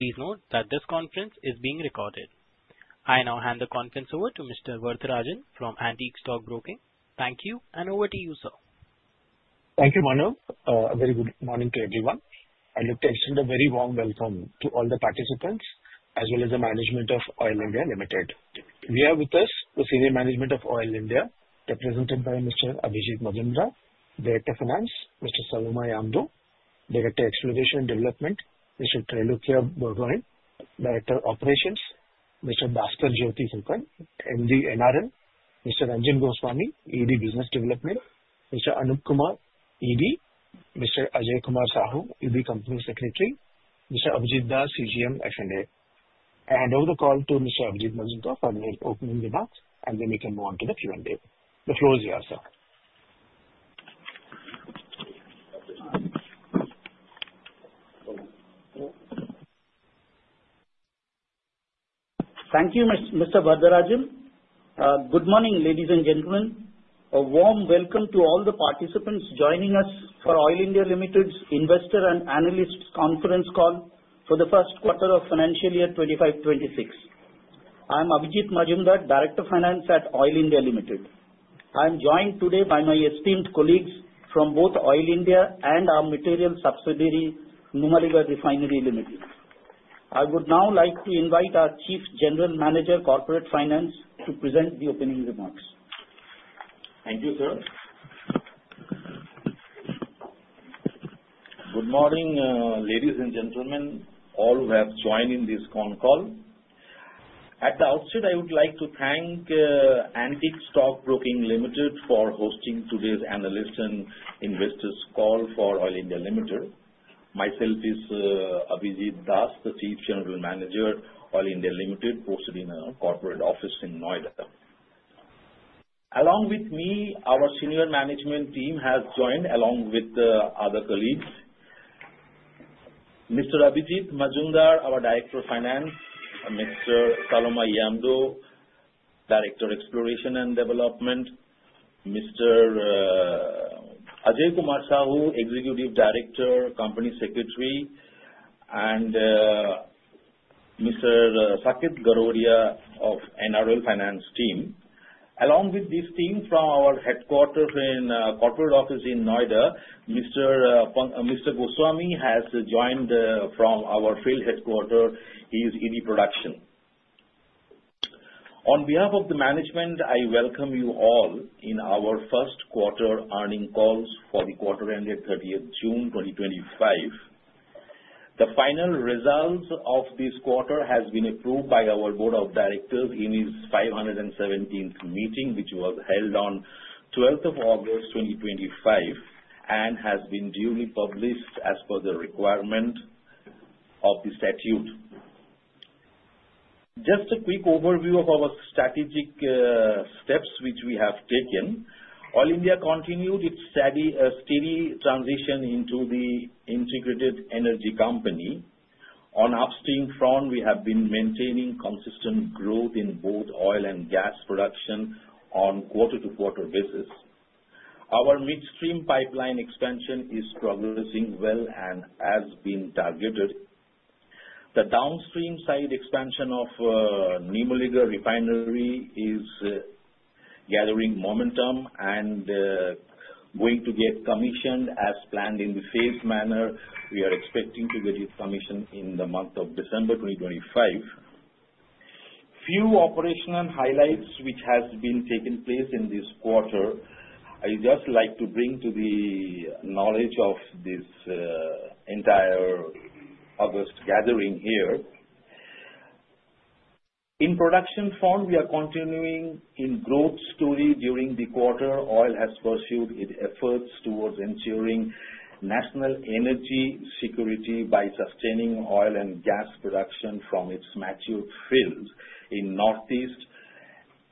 Please note that this conference is being recorded. I now hand the conference over to Mr. Varatharajan from Antique Stockbroking. Thank you, and over to you, sir. Thank you, Manu. A very good morning to everyone. I'd like to extend a very warm welcome to all the participants, as well as the management of Oil India Limited. We are with us the senior management of Oil India, represented by Mr. Abhijit Majumder, Director Finance; Mr. Saloma Yomdo, Director Exploration and Development; Mr. Trailukya Borgohain, Director Operations; Mr. Bhaskar Jyoti Phukan, MD NRL; Mr. Ranjan Goswami, ED Business Development; Mr. Anup Kumar, ED; Mr. Ajay Kumar Sahu, ED Company Secretary; Mr. Abhijit Das, CGM F&A. I hand over the call to Mr. Abhijit Majumder for the opening remarks, and then we can move on to the Q&A. The floor is yours, sir. Thank you, Mr. Varatharajan. Good morning, ladies and gentlemen. A warm welcome to all the participants joining us for Oil India Limited's investor and analyst conference call for the first quarter of financial year 2025. I'm Abhijit Majumder, Director Finance at Oil India Limited. I'm joined today by my esteemed colleagues from both Oil India and our material subsidiary, Numaligarh Refinery Limited. I would now like to invite our Chief General Manager, Corporate Finance, to present the opening remarks. Thank you, sir. Good morning, ladies and gentlemen, all who have joined in this con call. At the outset, I would like to thank Antique Stockbroking Limited for hosting today's analysts and investors' call for Oil India Limited. Myself is Abhijit Das, the Chief General Manager, Oil India Limited, posted in a corporate office in Noida. Along with me, our senior management team has joined, along with other colleagues: Mr. Abhijit Majumder, our Director Finance; Mr. Saloma Yomdo, Director Exploration and Development; Mr. Ajay Kumar Sahu, Executive Director, Company Secretary; and Mr. Saket Garodia of NRL Finance team. Along with this team, from our headquarters in a corporate office in Noida, Mr. Goswami has joined from our field headquarters. He is ED Production. On behalf of the management, I welcome you all in our first quarter earnings call for the quarter ended 30th June 2025. The final results of this quarter have been approved by our board of directors in its 517th meeting, which was held on 12th August 2025, and have been duly published as per the requirement of the statute. Just a quick overview of our strategic steps which we have taken: Oil India continued its steady transition into the integrated energy company. On the upstream front, we have been maintaining consistent growth in both oil and gas production on quarter-to-quarter basis. Our midstream pipeline expansion is progressing well and has been targeted. The downstream side expansion of Numaligarh Refinery is gathering momentum and going to get commissioned as planned in the phased manner. We are expecting to get it commissioned in the month of December 2025. Few operational highlights which have been taking place in this quarter, I'd just like to bring to the knowledge of this entire August gathering here. the production front, we are continuing our growth story during the quarter. Oil has pursued its efforts towards ensuring national energy security by sustaining oil and gas production from its mature fields in Northeast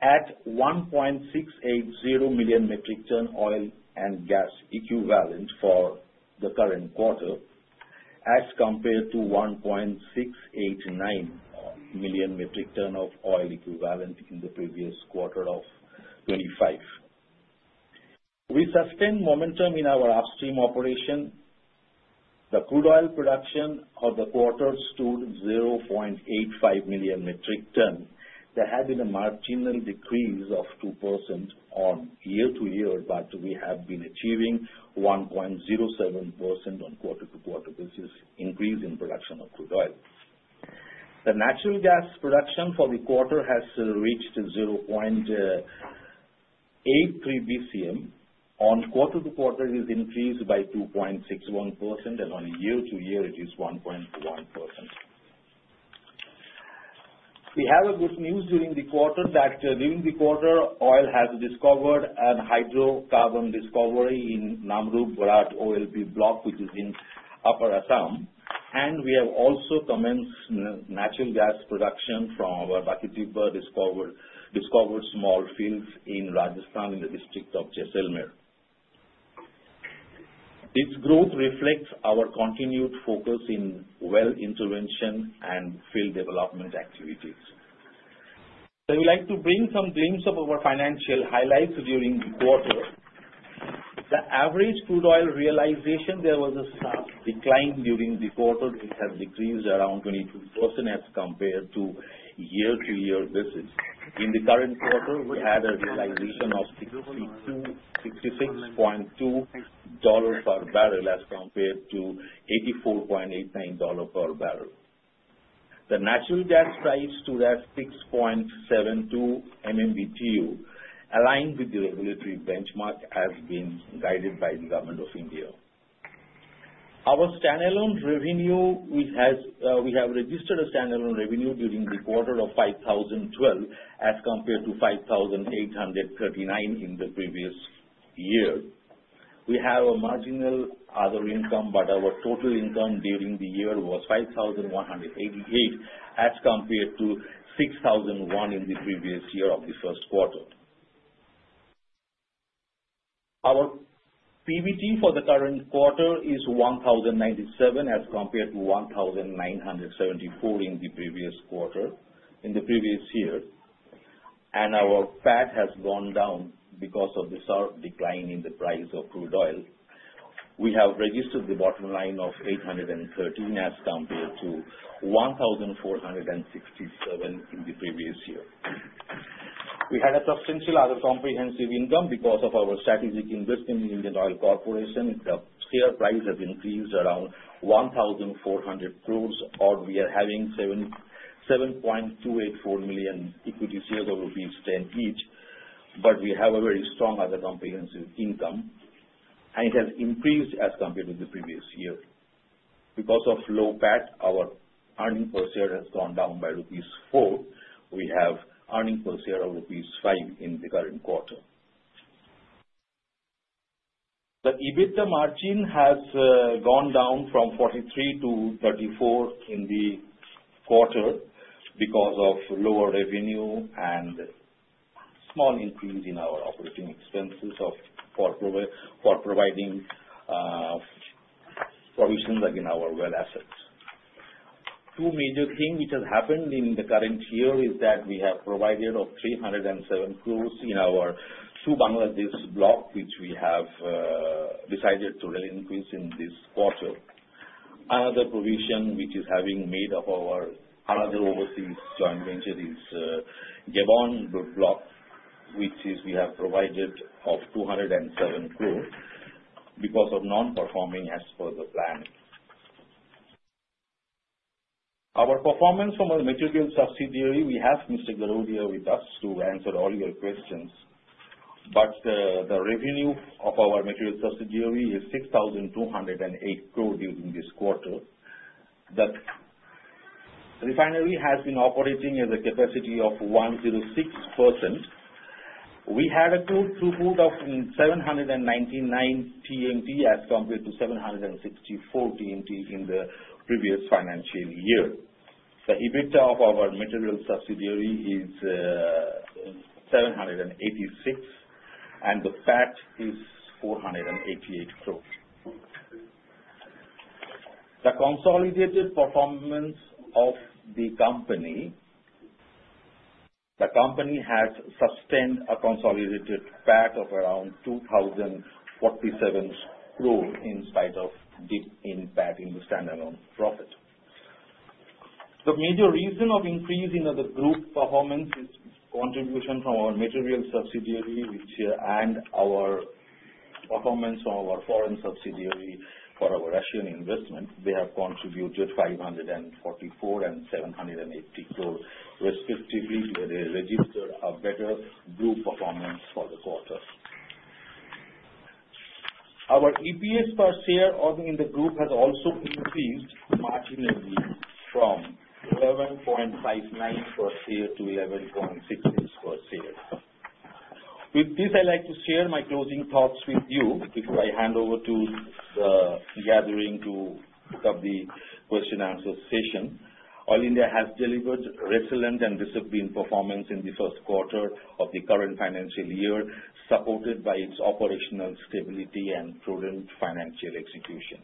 at 1.680 million metric tons of oil and gas equivalent for the current quarter, as compared to 1.689 million metric tons of oil equivalent in the previous quarter of 2025. We sustained momentum in our upstream operation. The crude oil production of the quarter stood at 0.85 million metric tons. There had been a marginal decrease of 2% on year-to-year, but we have been achieving 1.07% on quarter-to-quarter basis increase in production of crude oil. The natural gas production for the quarter has reached 0.83 BCM. On quarter-to-quarter, it has increased by 2.61%, and on year-to-year, it is 1.1%. We have good news during the quarter that Oil India has discovered a hydrocarbon discovery in Namrup-Borhat Oil Block, which is in Upper Assam. We have also commenced natural gas production from our Bakhri Tibba discovered small fields in Rajasthan in the district of Jaisalmer. This growth reflects our continued focus in well intervention and field development activities. I would like to bring some glimpses of our financial highlights during the quarter. The average crude oil realization there was a decline during the quarter. It has decreased around 22% as compared to year-to-year basis. In the current quarter, we had a realization of $66.2 per barrel as compared to $84.89 per barrel. The natural gas price today is 6.72 MMBTU, aligned with the regulatory benchmark as being guided by the Government of India. Our standalone revenue, we have registered a standalone revenue during the quarter of 5,012 crores as compared to 5,839 crores in the previous year. We have a marginal other income, but our total income during the year was 5,188 crores as compared to 6,001 crores in the previous year of the first quarter. Our PBT for the current quarter is 1,097 crores as compared to 1,974 crores in the previous quarter in the previous year. Our PAT has gone down because of the sharp decline in the price of crude oil. We have registered the bottom line of 813 crores as compared to 1,467 crores in the previous year. We had a substantial other comprehensive income because of our strategic investment in Indian Oil Corporation. The share price has increased around 1,400 crores, or we are having 7.284 million equity shares of rupees 10 each. But we have a very strong other comprehensive income, and it has increased as compared to the previous year. Because of low PAT, our earnings per share has gone down by rupees 4. We have earnings per share of rupees 5 in the current quarter. The EBITDA margin has gone down from 43% to 34% in the quarter because of lower revenue and small increase in our operating expenses for providing provisions in our well assets. Two major things which have happened in the current year is that we have provided 307 crores in our Bangladesh block, which we have decided to really increase in this quarter. Another provision which is having made of our other overseas joint venture is Gabon Block, which we have provided of 207 crores because of non-performing as per the plan. Our performance from our material subsidiary, we have Mr. Garodia with us to answer all your questions. But the revenue of our material subsidiary is 6,208 crores during this quarter. The refinery has been operating at a capacity of 106%. We had a good throughput of 799 TMT as compared to 764 TMT in the previous financial year. The EBITDA of our material subsidiary is 786 crores, and the PAT is 488 crores. The consolidated performance of the company, the company has sustained a consolidated PAT of around 2,047 crores in spite of dip in PAT in the standalone profit. The major reason of increase in the group performance is contribution from our material subsidiary and our performance from our foreign subsidiary for our Russian investment. They have contributed 544 crores and 780 crores respectively, where they registered a better group performance for the quarter. Our EPS per share in the group has also increased marginally from 11.59 per share to 11.66 per share. With this, I'd like to share my closing thoughts with you before I hand over to the gathering to pick up the question-answer session. Oil India has delivered resilient and disciplined performance in the first quarter of the current financial year, supported by its operational stability and prudent financial execution.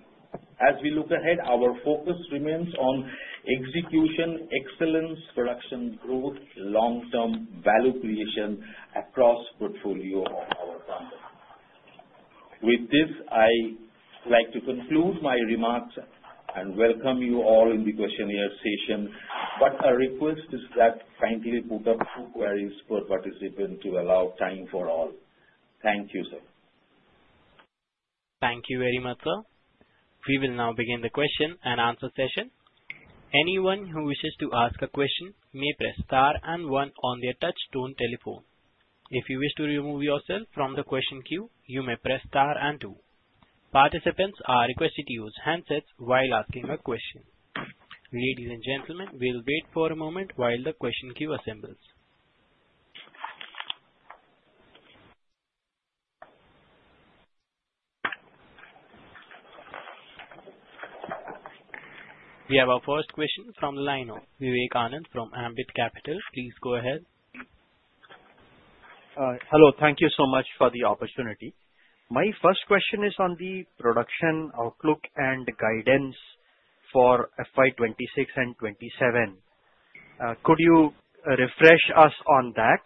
As we look ahead, our focus remains on execution, excellence, production growth, long-term value creation across the portfolio of our company. With this, I'd like to conclude my remarks and welcome you all in the question-and-answer session. But our request is that kindly put up two queries per participant to allow time for all. Thank you, sir. Thank you very much, sir. We will now begin the question and answer session. Anyone who wishes to ask a question may press star and one on their touch-tone telephone. If you wish to remove yourself from the question queue, you may press star and two. Participants are requested to use handsets while asking a question. Ladies and gentlemen, we'll wait for a moment while the question queue assembles. We have our first question from the line of Vivekanand from Ambit Capital. Please go ahead. Hello. Thank you so much for the opportunity. My first question is on the production outlook and guidance for FY 2026 and FY 2027. Could you refresh us on that?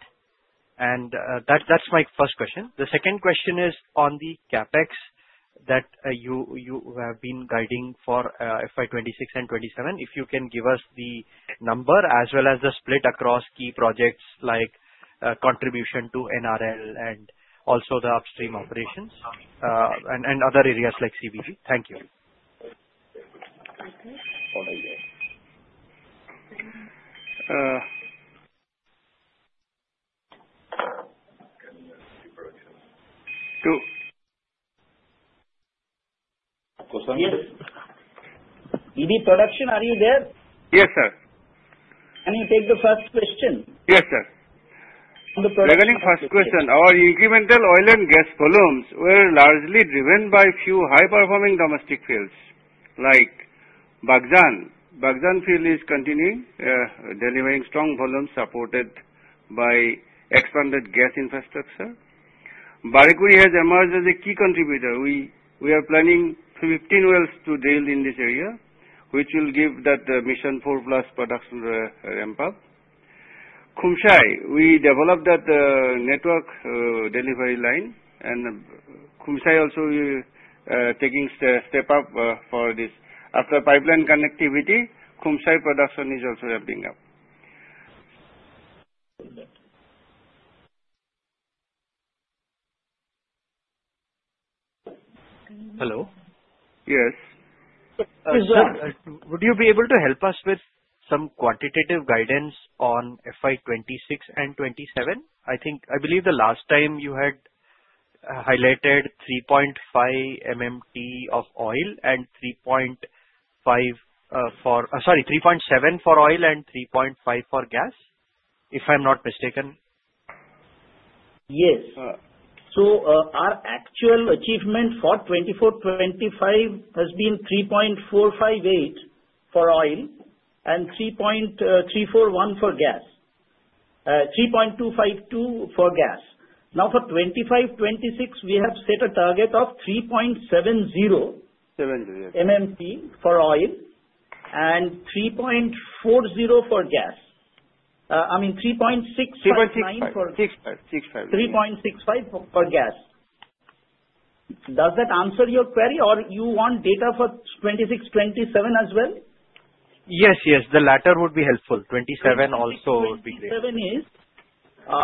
And that's my first question. The second question is on the CapEx that you have been guiding for FY 2026 and FY 2027. If you can give us the number as well as the split across key projects like contribution to NRL and also the upstream operations and other areas like CGD. Thank you. Two. Goswami? Yes. EB production, are you there? Yes, sir. Can you take the first question? Yes, sir. Regarding first question, our incremental oil and gas volumes were largely driven by a few high-performing domestic fields like Baghjan. Baghjan field is continuing delivering strong volumes supported by expanded gas infrastructure. Barekuri has emerged as a key contributor. We are planning 15 wells to drill in this area, which will give that massive four-plus production ramp-up. Khumsai, we developed that network delivery line, and Khumsai also is taking a step up for this. After pipeline connectivity, Khumsai production is also ramping up. Hello? Yes. Sir, would you be able to help us with some quantitative guidance on FY 2026 and FY 2027? I believe the last time you had highlighted 3.5 MMT of oil and 3.7 MMT for oil and 3.5 MMT for gas, if I'm not mistaken. Yes, so our actual achievement for 2024-2025 has been 3.458 MMT for oil and 3.341 for gas, 3.252 for gas. Now for 2025-2026, we have set a target of 3.70 MMT for oil and 3.40 for gas. I mean, 3.65. 3.65. 65. 65. 3.65 for gas. Does that answer your query, or you want data for 2026-2027 as well? Yes, yes. The latter would be helpful. 2027 also would be great. 2027 is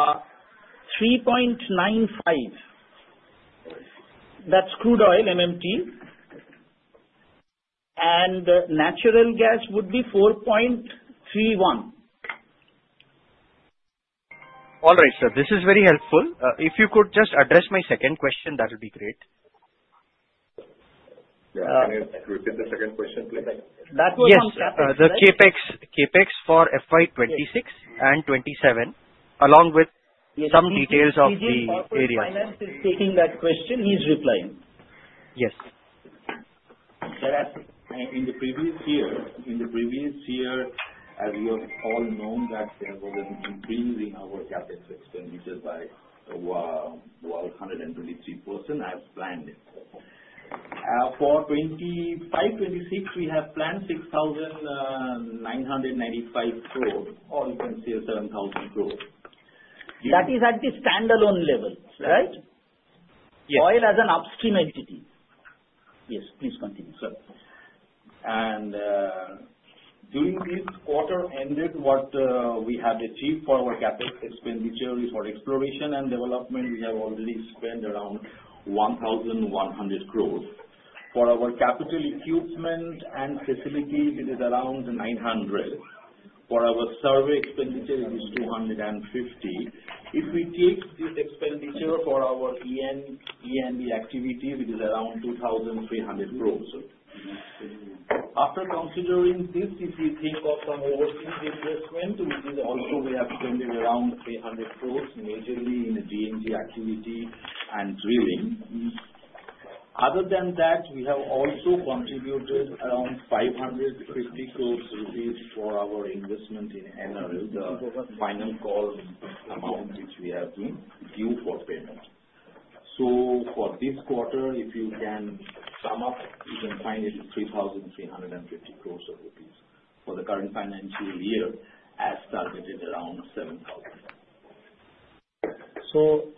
3.95. That's crude oil MMT, and natural gas would be 4.31. All right, sir. This is very helpful. If you could just address my second question, that would be great. Can you repeat the second question, please? That was on CapEx. Yes. The CapEx for FY 2026 and FY 2027, along with some details of the areas. Yes. If the finance is taking that question, he's replying. Yes. In the previous year, as you have all known, that there was an increase in our CapEx expenditure by 123% as planned. For 2025-2026, we have planned 6,995 crores or you can say 7,000 crores. That is at the standalone level, right? Yes. Oil as an upstream entity. Yes. Please continue, sir. And during this quarter ended, what we have achieved for our CapEx expenditure is for exploration and development, we have already spent around 1,100 crores. For our capital equipment and facilities, it is around 900 crores. For our survey expenditure, it is 250 crores. If we take this expenditure for our E&E activity, it is around 2,300 crores, sir. After considering this, if we think of some overseas investment, which is also we have spent around 300 crores majorly in G&G activity and drilling. Other than that, we have also contributed around 550 crores rupees for our investment in NRL, the final call amount which we have been due for payment. So for this quarter, if you can sum up, you can find it is 3,350 crores rupees for the current financial year as targeted around 7,000 crores. So,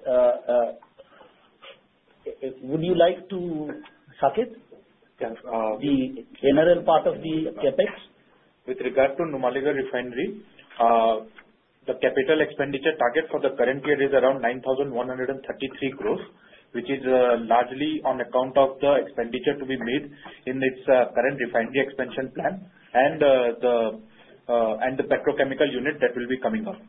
would you like to Saket? The NRL part of the CapEx? With regard to Numaligarh Refinery, the capital expenditure target for the current year is around 9,133 crores, which is largely on account of the expenditure to be made in its current refinery expansion plan and the petrochemical unit that will be coming up.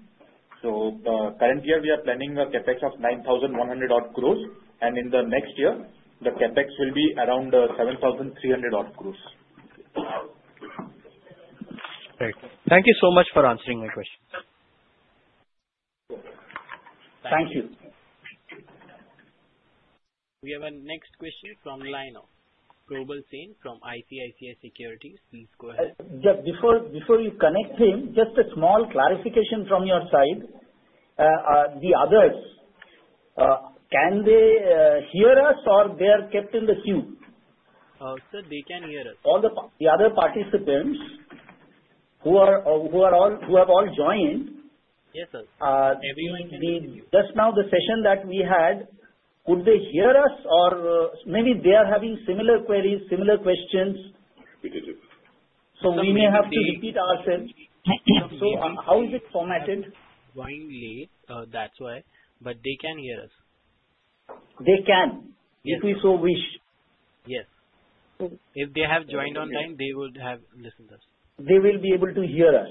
So current year, we are planning a CapEx of 9,100 crores, and in the next year, the CapEx will be around 7,300 crores. Thank you so much for answering my question. Thank you. We have a next question from the line of Probal Sen from ICICI Securities. Please go ahead. Before you connect him, just a small clarification from your side. The others, can they hear us or they are kept in the queue? Sir, they can hear us. All the other participants who have all joined? Yes, sir. Everyone can. Just now, the session that we had, could they hear us or maybe they are having similar queries, similar questions? We did it. We may have to repeat ourselves. How is it formatted? Joined late, that's why. But they can hear us. They can, if we so wish. Yes. If they have joined on time, they would have listened to us. They will be able to hear us.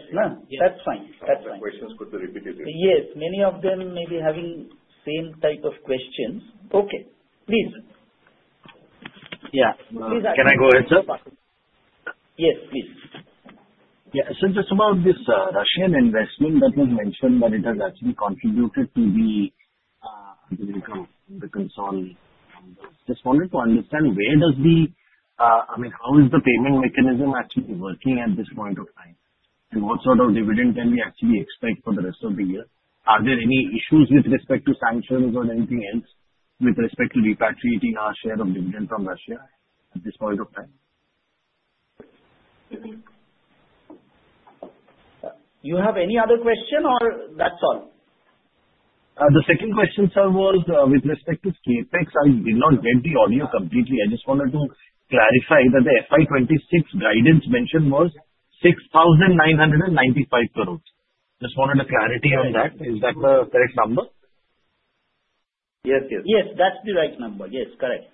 That's fine. The questions could be repeated. Yes. Many of them may be having the same type of questions. Okay. Please. Yeah. Can I go ahead, sir? Yes, please. Yeah. Since it's about this Russian investment that was mentioned that it has actually contributed to the consolidation, just wanted to understand where does the, I mean, how is the payment mechanism actually working at this point of time? And what sort of dividend can we actually expect for the rest of the year? Are there any issues with respect to sanctions or anything else with respect to repatriating our share of dividend from Russia at this point of time? You have any other question, or that's all? The second question, sir, was with respect to CapEx. I did not get the audio completely. I just wanted to clarify that the FY 2026 guidance mentioned was 6,995 crores. Just wanted a clarity on that. Is that the correct number? Yes, yes. Yes. That's the right number. Yes. Correct.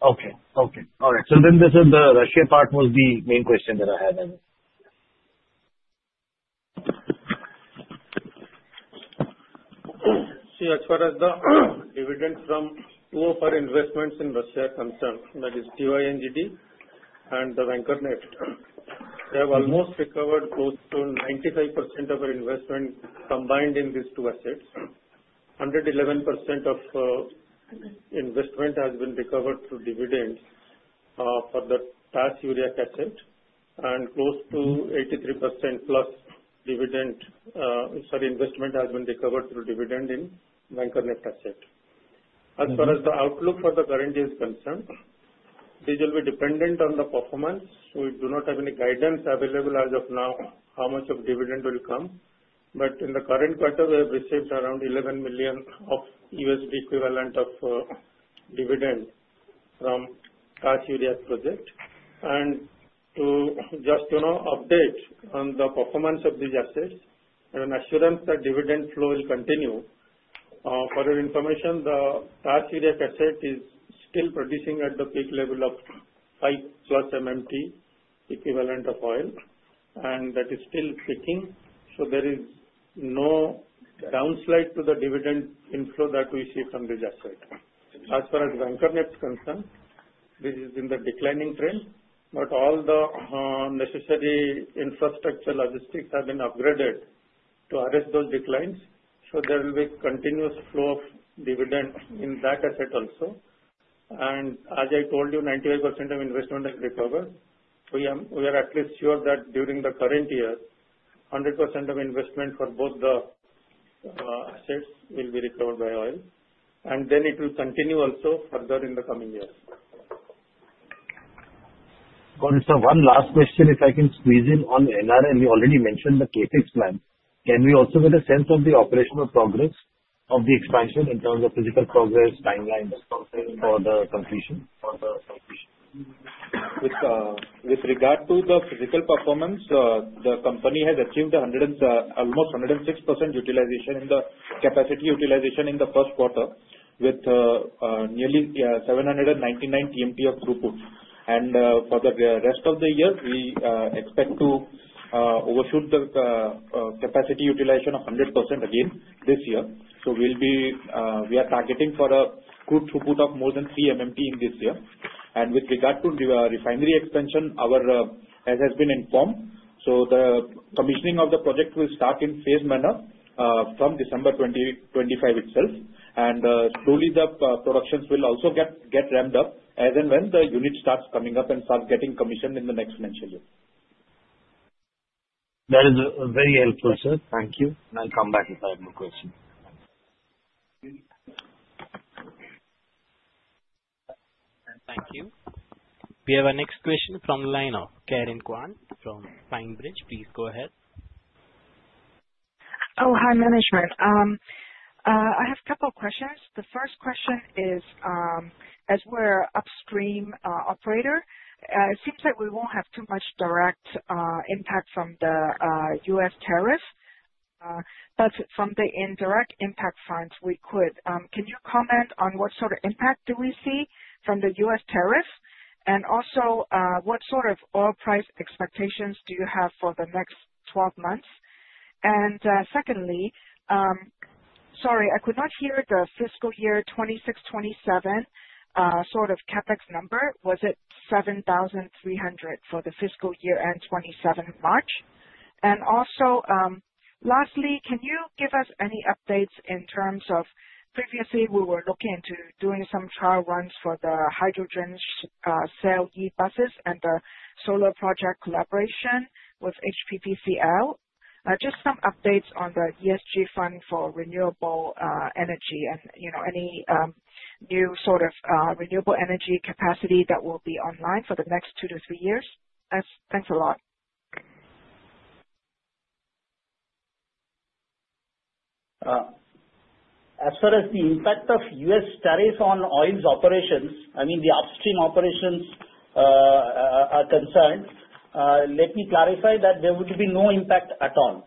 Okay. Okay. All right. So then the Russia part was the main question that I had. See, as far as the dividend from two of our investments in Russia are concerned, that is TYNGD and the Vankorneft, they have almost recovered close to 95% of our investment combined in these two assets. 111% of investment has been recovered through dividend for the Taas-Yuryakh asset, and close to 83% plus dividend, sorry, investment has been recovered through dividend in Vankorneft asset. As far as the outlook for the current year is concerned, this will be dependent on the performance. We do not have any guidance available as of now, how much of dividend will come. But in the current quarter, we have received around $11 million equivalent of dividend from Taas-Yuryakh project. To just update on the performance of these assets and assurance that dividend flow will continue, for your information, the Taas-Yuryakh asset is still producing at the peak level of 5+ MMT equivalent of oil, and that is still peaking, so there is no downslide to the dividend inflow that we see from this asset. As far as Vankorneft is concerned, this is in the declining trend, but all the necessary infrastructure logistics have been upgraded to address those declines, so there will be continuous flow of dividend in that asset also, and as I told you, 95% of investment has recovered. We are at least sure that during the current year, 100% of investment for both the assets will be recovered by oil, and then it will continue also further in the coming years. Sir, one last question, if I can squeeze in on NRL. You already mentioned the CapEx plan. Can we also get a sense of the operational progress of the expansion in terms of physical progress timelines for the completion? With regard to the physical performance, the company has achieved almost 106% utilization in the capacity utilization in the first quarter with nearly 799 TMT of throughput, and for the rest of the year, we expect to overshoot the capacity utilization of 100% again this year, so we are targeting for a good throughput of more than 3 MMT in this year. And with regard to refinery expansion, as has been informed, so the commissioning of the project will start in phased manner from December 2025 itself, and slowly, the productions will also get ramped up as and when the unit starts coming up and starts getting commissioned in the next financial year. That is very helpful, sir. Thank you, and I'll come back with my question. Thank you. We have a next question from the line of Karen Kwan from PineBridge. Please go ahead. Oh, hi, management. I have a couple of questions. The first question is, as we're an upstream operator, it seems like we won't have too much direct impact from the U.S. tariffs. But from the indirect impacts, we could. Can you comment on what sort of impact do we see from the U.S. tariffs? And also, what sort of oil price expectations do you have for the next 12 months? And secondly, sorry, I could not hear the fiscal year 2026-2027 sort of CapEx number. Was it 7300 for the fiscal year end 2027 March? And also, lastly, can you give us any updates in terms of previously, we were looking into doing some trial runs for the hydrogen cell E-buses and the solar project collaboration with HPPCL? Just some updates on the ESG fund for renewable energy and any new sort of renewable energy capacity that will be online for the next two to three years. Thanks a lot. As far as the impact of U.S. tariffs on Oil's operations, I mean, the upstream operations are concerned, let me clarify that there would be no impact at all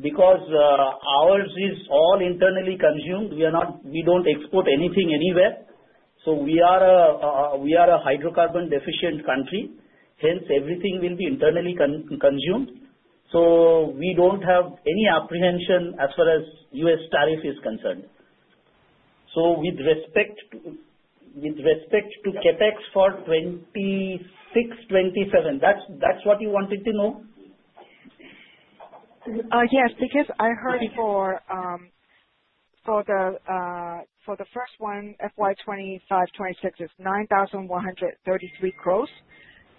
because ours is all internally consumed. We don't export anything anywhere. So we are a hydrocarbon-deficient country. Hence, everything will be internally consumed. So we don't have any apprehension as far as U.S. tariff is concerned. So with respect to CapEx for 2026-2027, that's what you wanted to know? Yes, because I heard for the first one, FY 2025-2026 is 9,133 crores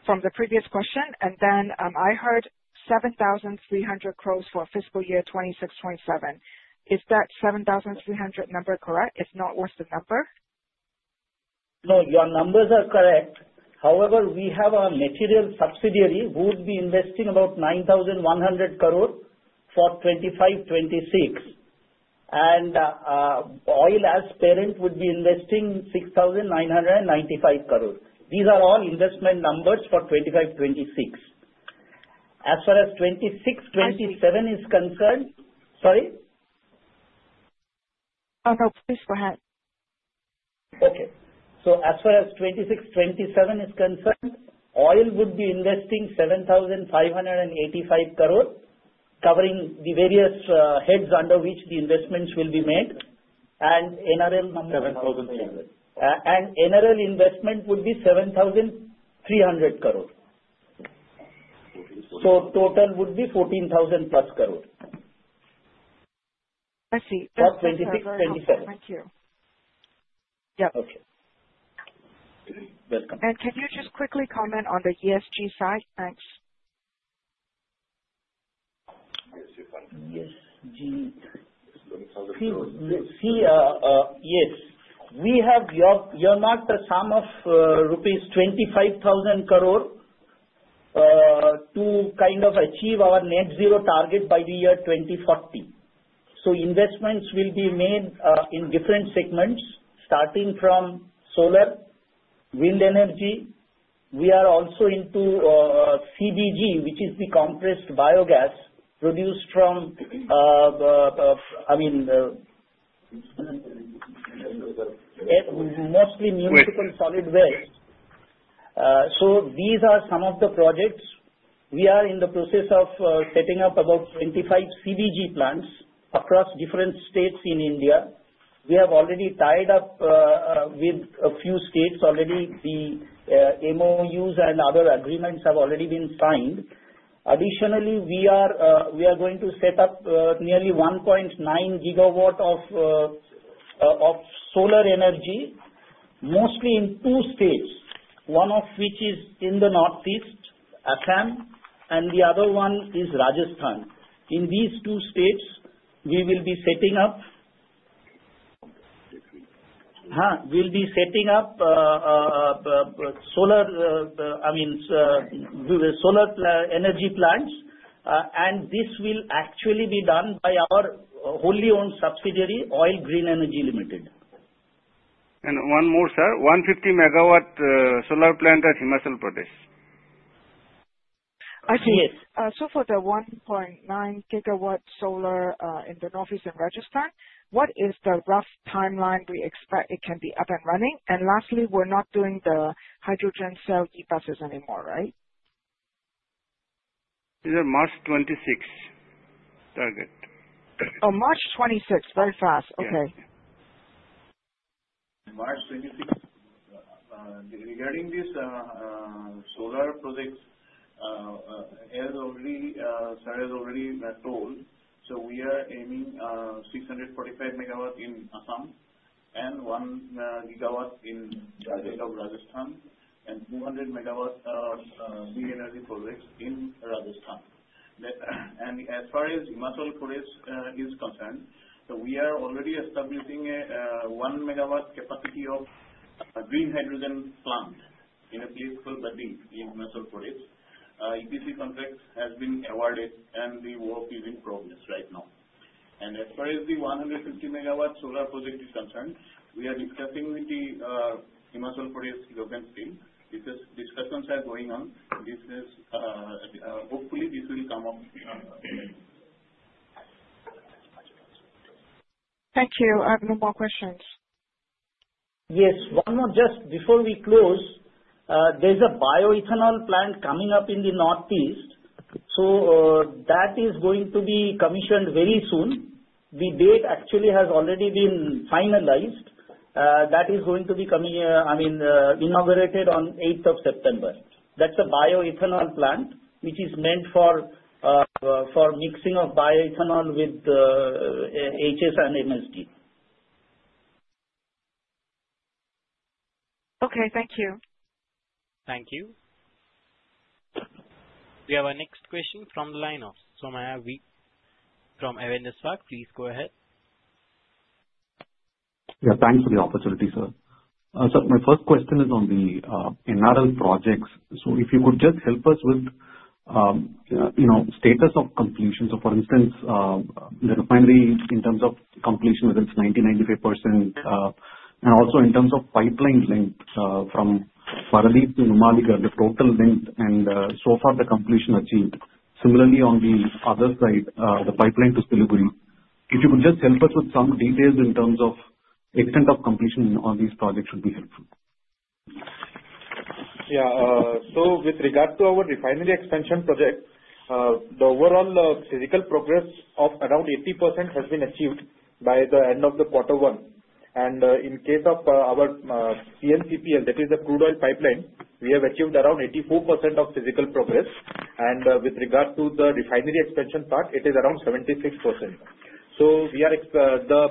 from the previous question, and then I heard 7,300 crores for fiscal year 2026-2027. Is that 7,300 number correct? It's not worth the number. No, your numbers are correct. However, we have a material subsidiary who would be investing about 9,100 crores for 2025-2026. And Oil as parent would be investing 6,995 crores. These are all investment numbers for 2025-2026. As far as 2026-2027 is concerned, sorry? Oh, no. Please go ahead. Okay. So as far as 2026-2027 is concerned, Oil would be investing 7,585 crores covering the various heads under which the investments will be made. And NRL number. 7300. NRL investment would be 7,300 crores. Total would be 14,000+ crores. I see. For 2026-2027. Thank you. Yep. Okay. Welcome. Can you just quickly comment on the ESG side? Thanks. ESG fund. ESG. See, yes. We have earmarked the sum of rupees 25,000 crores to kind of achieve our net zero target by the year 2040. So investments will be made in different segments starting from solar, wind energy. We are also into CBG, which is the compressed biogas produced from, I mean, mostly municipal solid waste. So these are some of the projects. We are in the process of setting up about 25 CBG plants across different states in India. We have already tied up with a few states already. The MOUs and other agreements have already been signed. Additionally, we are going to set up nearly 1.9 GW of solar energy, mostly in two states, one of which is in the northeast, Assam, and the other one is Rajasthan. In these two states, we will be setting up. Okay. Between. We'll be setting up solar, I mean, solar energy plants. This will actually be done by our wholly owned subsidiary, Oil Green Energy Limited. One more, sir. 150 MW solar plant at Himachal Pradesh. Yes, so for the 1.9 GW solar in the northeast and Rajasthan, what is the rough timeline we expect it can be up and running? And lastly, we're not doing the hydrogen cell E-buses anymore, right? It's a March 2026 target. Oh, March 2026. Very fast. Okay. March 2026. Regarding this solar project, Sir has already told. So we are aiming 645 MW in Assam and 1 GW in Rajasthan and 200 MW wind energy projects in Rajasthan. And as far as Himachal Pradesh is concerned, we are already establishing a 1 MW capacity of green hydrogen plant in a place called Baddi in Himachal Pradesh. EPC contract has been awarded, and the work is in progress right now. And as far as the 150 MW solar project is concerned, we are discussing with the Himachal Pradesh government team. Discussions are going on. Hopefully, this will come up. Thank you. No more questions. Yes. One more just before we close. There's a bioethanol plant coming up in the northeast. So that is going to be commissioned very soon. The date actually has already been finalized. That is going to be, I mean, inaugurated on 8th of September. That's a bioethanol plant which is meant for mixing of bioethanol with HSD and MS. Okay. Thank you. Thank you. We have a next question from the line of Somaiya V from Avendus Spark. Please go ahead. Yeah. Thanks for the opportunity, sir. So my first question is on the NRL projects. So if you could just help us with status of completion. So for instance, the refinery in terms of completion within 90%-95% and also in terms of pipeline length from Paradip to Numaligarh, the total length and so far the completion achieved. Similarly, on the other side, the pipeline to Siliguri. If you could just help us with some details in terms of extent of completion on these projects would be helpful. Yeah. So with regard to our refinery expansion project, the overall physical progress of around 80% has been achieved by the end of the quarter one. And in case of our PNCPL, that is the crude oil pipeline, we have achieved around 84% of physical progress. And with regard to the refinery expansion part, it is around 76%. So the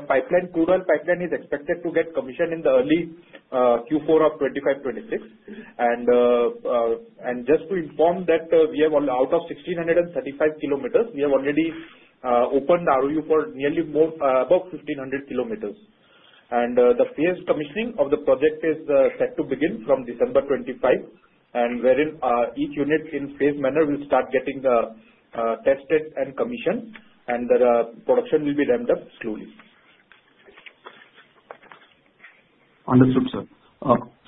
crude oil pipeline is expected to get commissioned in the early Q4 of 2025-2026. And just to inform that we have out of 1,635 km, we have already opened ROU for nearly about 1,500 km. And the phased commissioning of the project is set to begin from December 2025, and each unit in phased manner will start getting tested and commissioned, and the production will be ramped up slowly. Understood, sir.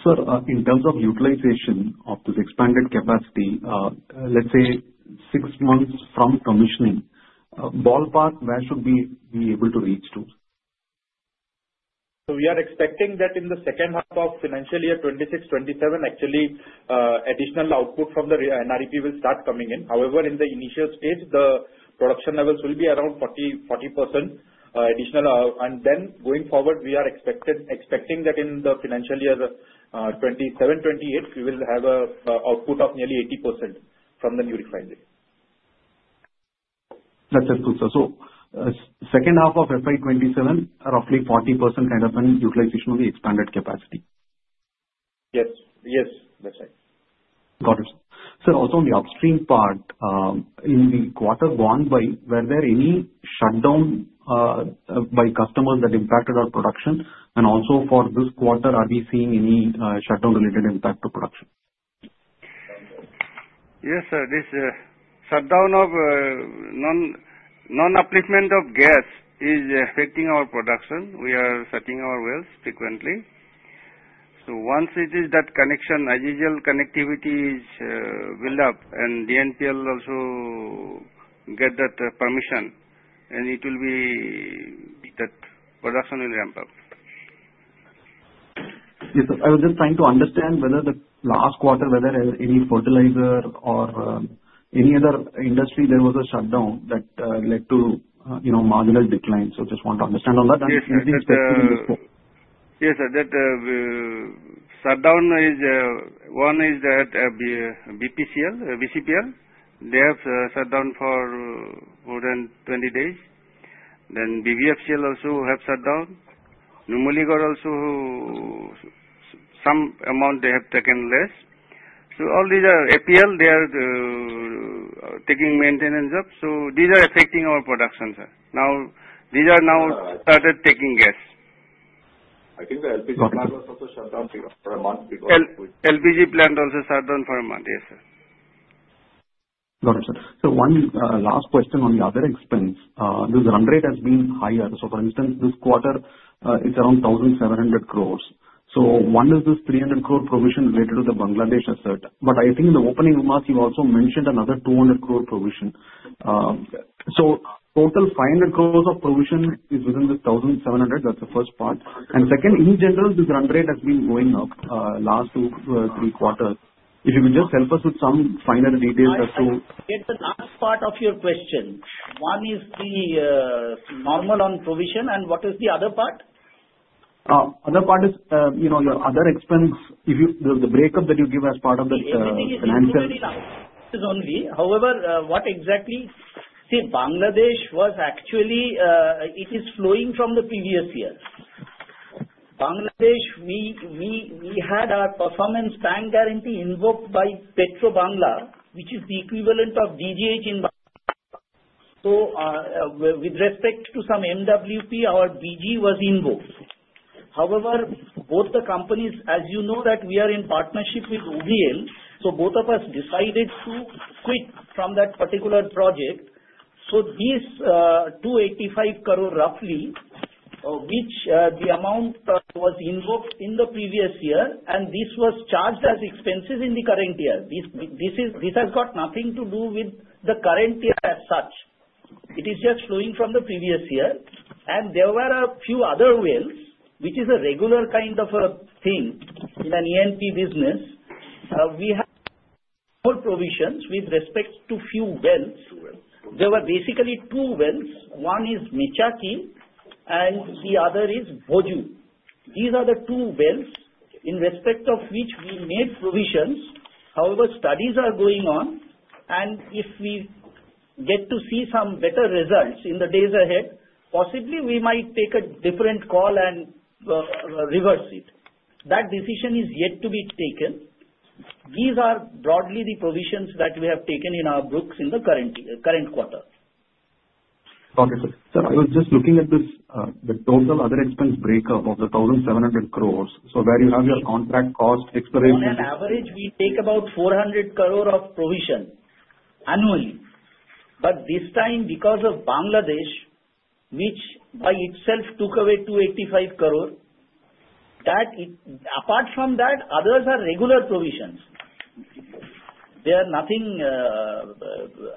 Sir, in terms of utilization of this expanded capacity, let's say six months from commissioning, ballpark where should we be able to reach to? We are expecting that in the second half of financial year 2026-2027, actually, additional output from the NREP will start coming in. However, in the initial stage, the production levels will be around 40% additional. Then going forward, we are expecting that in the financial year 2027-2028, we will have an output of nearly 80% from the new refinery. That's helpful, sir. So second half of FY 2027, roughly 40% kind of an utilization of the expanded capacity. Yes. Yes. That's right. Got it. Sir, also on the upstream part, in the quarter gone by, were there any shutdown by customers that impacted our production? And also for this quarter, are we seeing any shutdown-related impact to production? Yes, sir. This shutdown of non-application of gas is affecting our production. We are shutting our wells frequently. So once it is that connection, as usual, connectivity is built up, and the NPL also gets that permission, and it will be that production will ramp up. Yes, sir. I was just trying to understand whether the last quarter, whether any fertilizer or any other industry, there was a shutdown that led to marginal decline. So just want to understand on that and see if there's any report. Yes, sir. That shutdown is one is that BPCL, BCPL, they have shutdown for more than 20 days. Then BVFCL also have shutdown. Numaligarh also, some amount they have taken less. So all these are APL, they are taking maintenance up. So these are affecting our production, sir. Now, these are now started taking gas. I think the LPG plant was also shut down for a month because. LPG plant also shut down for a month. Yes, sir. Got it, sir. So one last question on the other expense. This run rate has been higher. So for instance, this quarter is around 1700 crores. So one is this 300 crore provision related to the Bangladesh asset. But I think in the opening remarks, you also mentioned another 200 crore provision. So total 500 crores of provision is within this 1700. That's the first part. And second, in general, this run rate has been going up last two or three quarters. If you could just help us with some finer details as to. Get the last part of your question. One is the normal on provision, and what is the other part? Other part is your other expense, the break-up that you give as part of the financials. It's only. However, what exactly is it? See, Bangladesh was actually, it is flowing from the previous year. Bangladesh, we had our performance bank guarantee invoked by Petrobangla, which is the equivalent of DGH in Bangladesh. So with respect to some MWP, our BG was invoked. However, both the companies, as you know that we are in partnership with OVL, so both of us decided to quit from that particular project. So these 285 crore roughly, which the amount was invoked in the previous year, and this was charged as expenses in the current year. This has got nothing to do with the current year as such. It is just flowing from the previous year, and there were a few other wells, which is a regular kind of a thing in an E&P business. We have more provisions with respect to few wells. There were basically two wells. One is Mechaki, and the other is Bhojo. These are the two wells in respect of which we made provisions. However, studies are going on, and if we get to see some better results in the days ahead, possibly we might take a different call and reverse it. That decision is yet to be taken. These are broadly the provisions that we have taken in our books in the current quarter. Got it, sir. Sir, I was just looking at the total other expense breakup of the 1,700 crores. So where you have your contract cost exploration. On average, we take about 400 crore of provision annually. But this time, because of Bangladesh, which by itself took away 285 crore, apart from that, others are regular provisions. There are nothing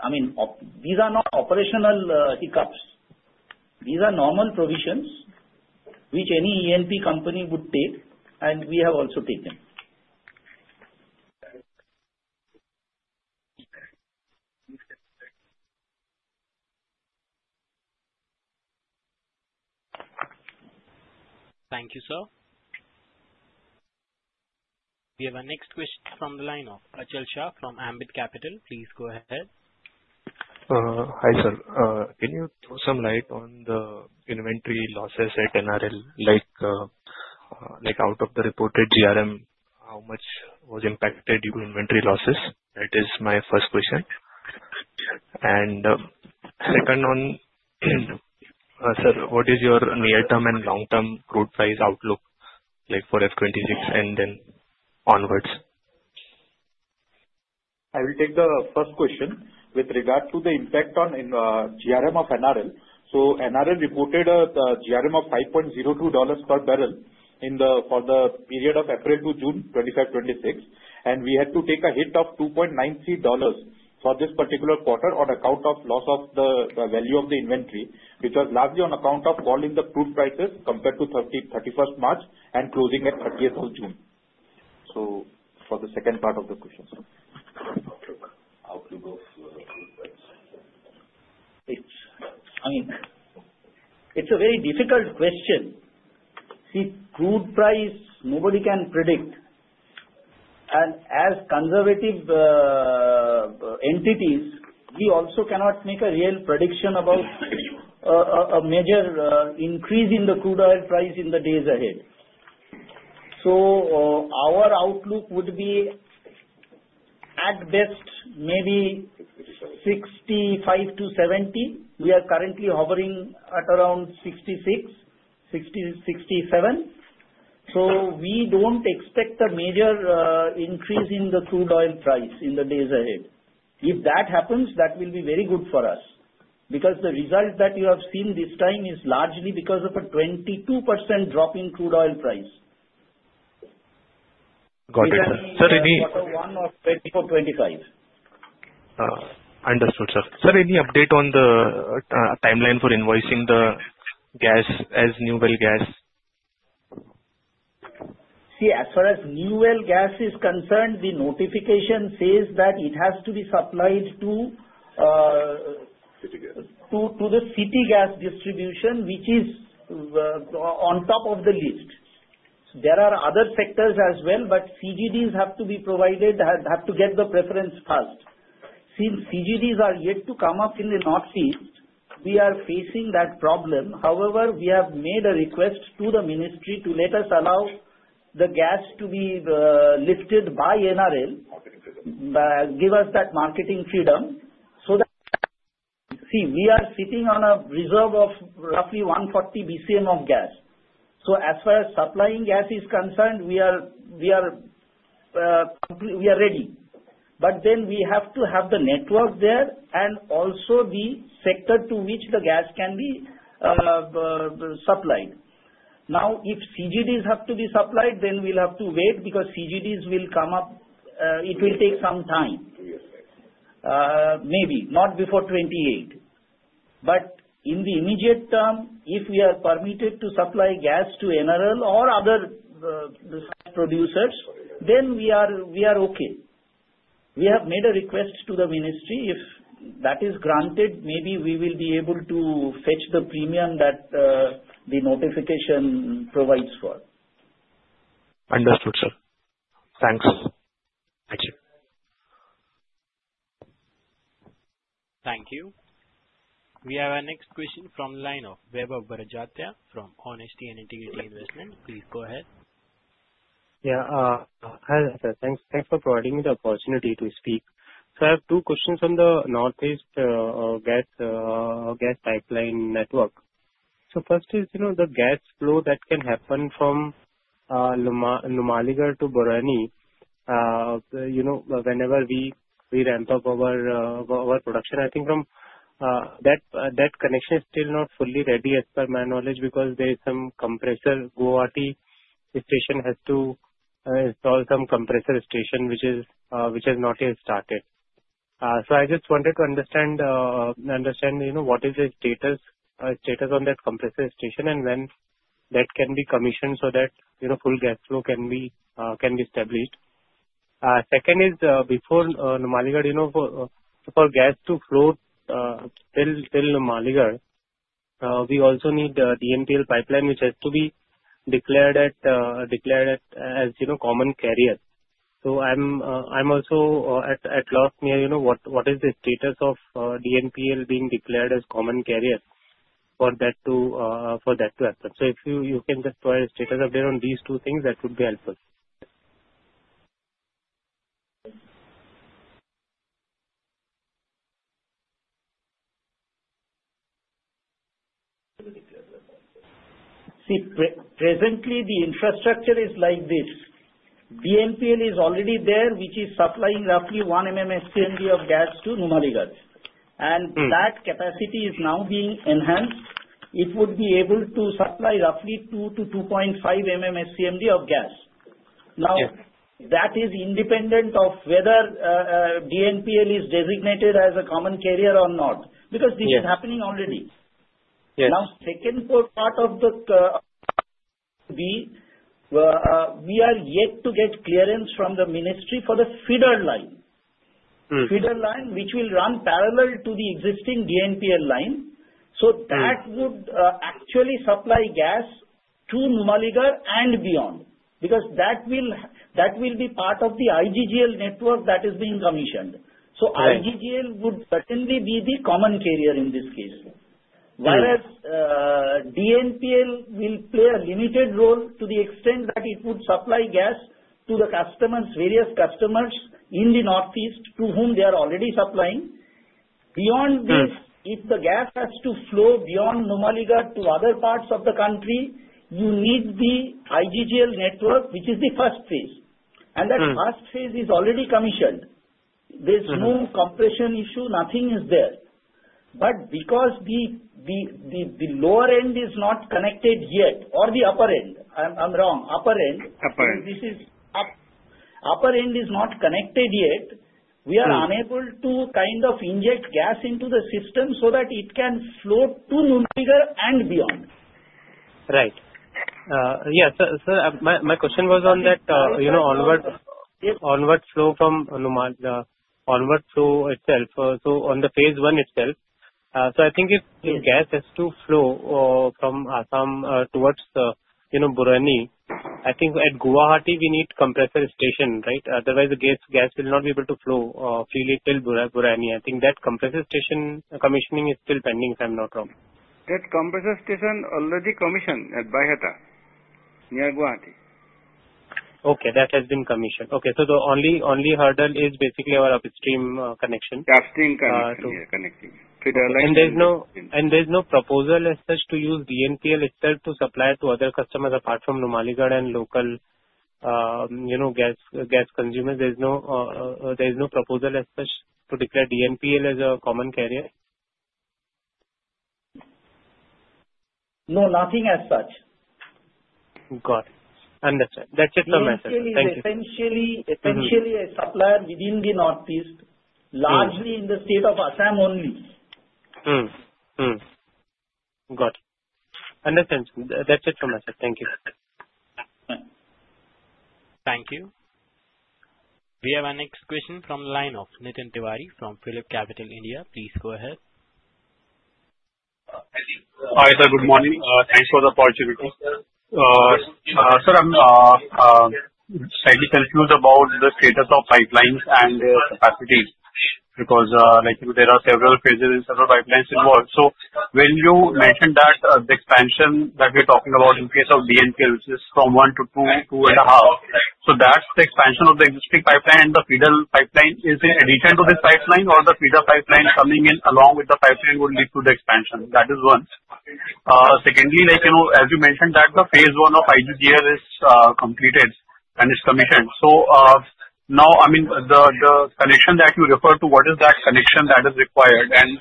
I mean, these are not operational hiccups. These are normal provisions which any E&P company would take, and we have also taken. Thank you, sir. We have a next question from the line of Achal Shah from Ambit Capital. Please go ahead. Hi, sir. Can you throw some light on the inventory losses at NRL? Out of the reported GRM, how much was impacted in inventory losses? That is my first question. And second one, sir, what is your near-term and long-term crude price outlook for FY 2026 and then onwards? I will take the first question with regard to the impact on GRM of NRL. So NRL reported a GRM of $5.02 per barrel for the period of April to June 2025-2026, and we had to take a hit of $2.93 for this particular quarter on account of loss of the value of the inventory, which was largely on account of fall in the crude prices compared to 31st March and closing at 30th of June. So for the second part of the question, sir. Outlook of crude price? I mean, it's a very difficult question. See, crude price, nobody can predict, and as conservative entities, we also cannot make a real prediction about a major increase in the crude oil price in the days ahead, so our outlook would be, at best, maybe 65-70. We are currently hovering at around 66-67, so we don't expect a major increase in the crude oil price in the days ahead. If that happens, that will be very good for us because the result that you have seen this time is largely because of a 22% drop in crude oil price. Got it, sir. Any. 2024-2025. Understood, sir. Sir, any update on the timeline for invoicing the gas as new well gas? See, as far as new well gas is concerned, the notification says that it has to be supplied to the city gas distribution, which is on top of the list. There are other sectors as well, but CGDs have to be provided, have to get the preference first. Since CGDs are yet to come up in the Northeast, we are facing that problem. However, we have made a request to the ministry to let us allow the gas to be sold by NRL, give us that marketing freedom so that see, we are sitting on a reserve of roughly 140 bcm of gas. So as far as supplying gas is concerned, we are ready. But then we have to have the network there and also the sector to which the gas can be supplied. Now, if CGDs have to be supplied, then we'll have to wait because CGDs will come up. It will take some time, maybe not before 2028. But in the immediate term, if we are permitted to supply gas to NRL or other producers, then we are okay. We have made a request to the ministry. If that is granted, maybe we will be able to fetch the premium that the notification provides for. Understood, sir. Thanks. Thank you. We have a next question from the line of Vaibhav Badjatya from Honesty & Integrity Investment. Please go ahead. Yeah. Hi, sir. Thanks for providing me the opportunity to speak. So I have two questions on the northeast gas pipeline network. So first is the gas flow that can happen from Numaligarh to Barauni. Whenever we ramp up our production, I think that connection is still not fully ready as per my knowledge because there is some compressor Baihata station has to install some compressor station which has not yet started. So I just wanted to understand what is the status on that compressor station and when that can be commissioned so that full gas flow can be established. Second is, before Numaligarh, for gas to flow till Numaligarh, we also need the DNPL pipeline, which has to be declared as common carrier. So I'm also at a loss as to what is the status of DNPL being declared as common carrier for that to happen. If you can just provide a status update on these two things, that would be helpful. See, presently, the infrastructure is like this. DNPL is already there, which is supplying roughly 1 MMSCMD of gas to Numaligarh. And that capacity is now being enhanced. It would be able to supply roughly 2 MMSCMD-2.5 MMSCMD of gas. Now, that is independent of whether DNPL is designated as a common carrier or not because this is happening already. Now, second part of the B, we are yet to get clearance from the ministry for the feeder line, which will run parallel to the existing DNPL line. So that would actually supply gas to Numaligarh and beyond because that will be part of the IGGL network that is being commissioned. IGGL would certainly be the common carrier in this case, whereas DNPL will play a limited role to the extent that it would supply gas to the customers, various customers in the northeast to whom they are already supplying. Beyond this, if the gas has to flow beyond Numaligarh to other parts of the country, you need the IGGL network, which is the first phase. That first phase is already commissioned. There's no compression issue. Nothing is there. Because the lower end is not connected yet, or the upper end, I'm wrong, upper end, this is upper end is not connected yet, we are unable to kind of inject gas into the system so that it can flow to Numaligarh and beyond. Right. Yeah. Sir, my question was on that onward flow from Numaligarh, onward flow itself. So on the phase one itself, so I think if the gas has to flow from Assam towards Barauni, I think at Guwahati, we need compressor station, right? Otherwise, the gas will not be able to flow freely till Barauni. I think that compressor station commissioning is still pending, if I'm not wrong. That compressor station already commissioned at Baihata, near Guwahati. Okay. That has been commissioned. Okay. So the only hurdle is basically our upstream connection. Upstream connection, yeah, connecting. There’s no proposal as such to use DNPL itself to supply to other customers apart from Numaligarh and local gas consumers. There’s no proposal as such to declare DNPL as a common carrier? No, nothing as such. Got it. Understood. That's it from my side. Thank you. Essentially, a supplier within the Northeast, largely in the state of Assam only. Got it. Understood. That's it from my side. Thank you. Thank you. We have a next question from the line of Nitin Tiwari from PhillipCapital, India. Please go ahead. Hi, sir. Good morning. Thanks for the opportunity. Sir, I'm slightly confused about the status of pipelines and capacity because there are several phases and several pipelines involved. So when you mentioned that the expansion that we're talking about in case of DNPL, which is from one to two, two and a half, so that's the expansion of the existing pipeline and the feeder pipeline is in addition to this pipeline, or the feeder pipeline coming in along with the pipeline will lead to the expansion. That is one. Secondly, as you mentioned, that the phase one of IGGL is completed and is commissioned. So now, I mean, the connection that you refer to, what is that connection that is required? And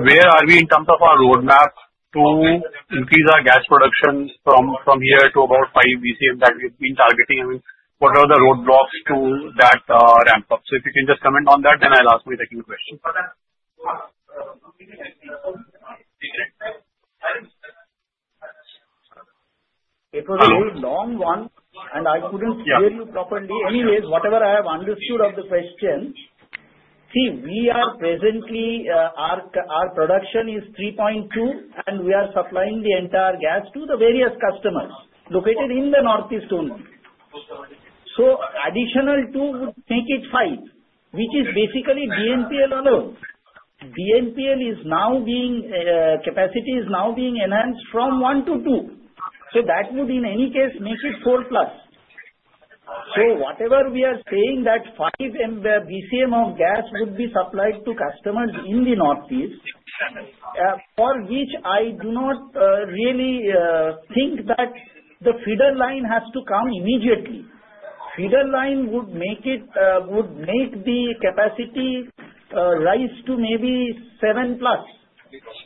where are we in terms of our roadmap to increase our gas production from here to about 5 BCM that we've been targeting? I mean, what are the roadblocks to that ramp-up? So if you can just comment on that, then I'll ask my second question. It was a very long one, and I couldn't hear you properly. Anyways, whatever I have understood of the question, see, we are presently, our production is 3.2, and we are supplying the entire gas to the various customers located in the northeast only. So additional two would make it five, which is basically DNPL alone. DNPL's capacity is now being enhanced from one to two. So that would, in any case, make it 4+. So whatever we are saying, that 5 BCM of gas would be supplied to customers in the northeast, for which I do not really think that the feeder line has to come immediately. Feeder line would make the capacity rise to maybe seven plus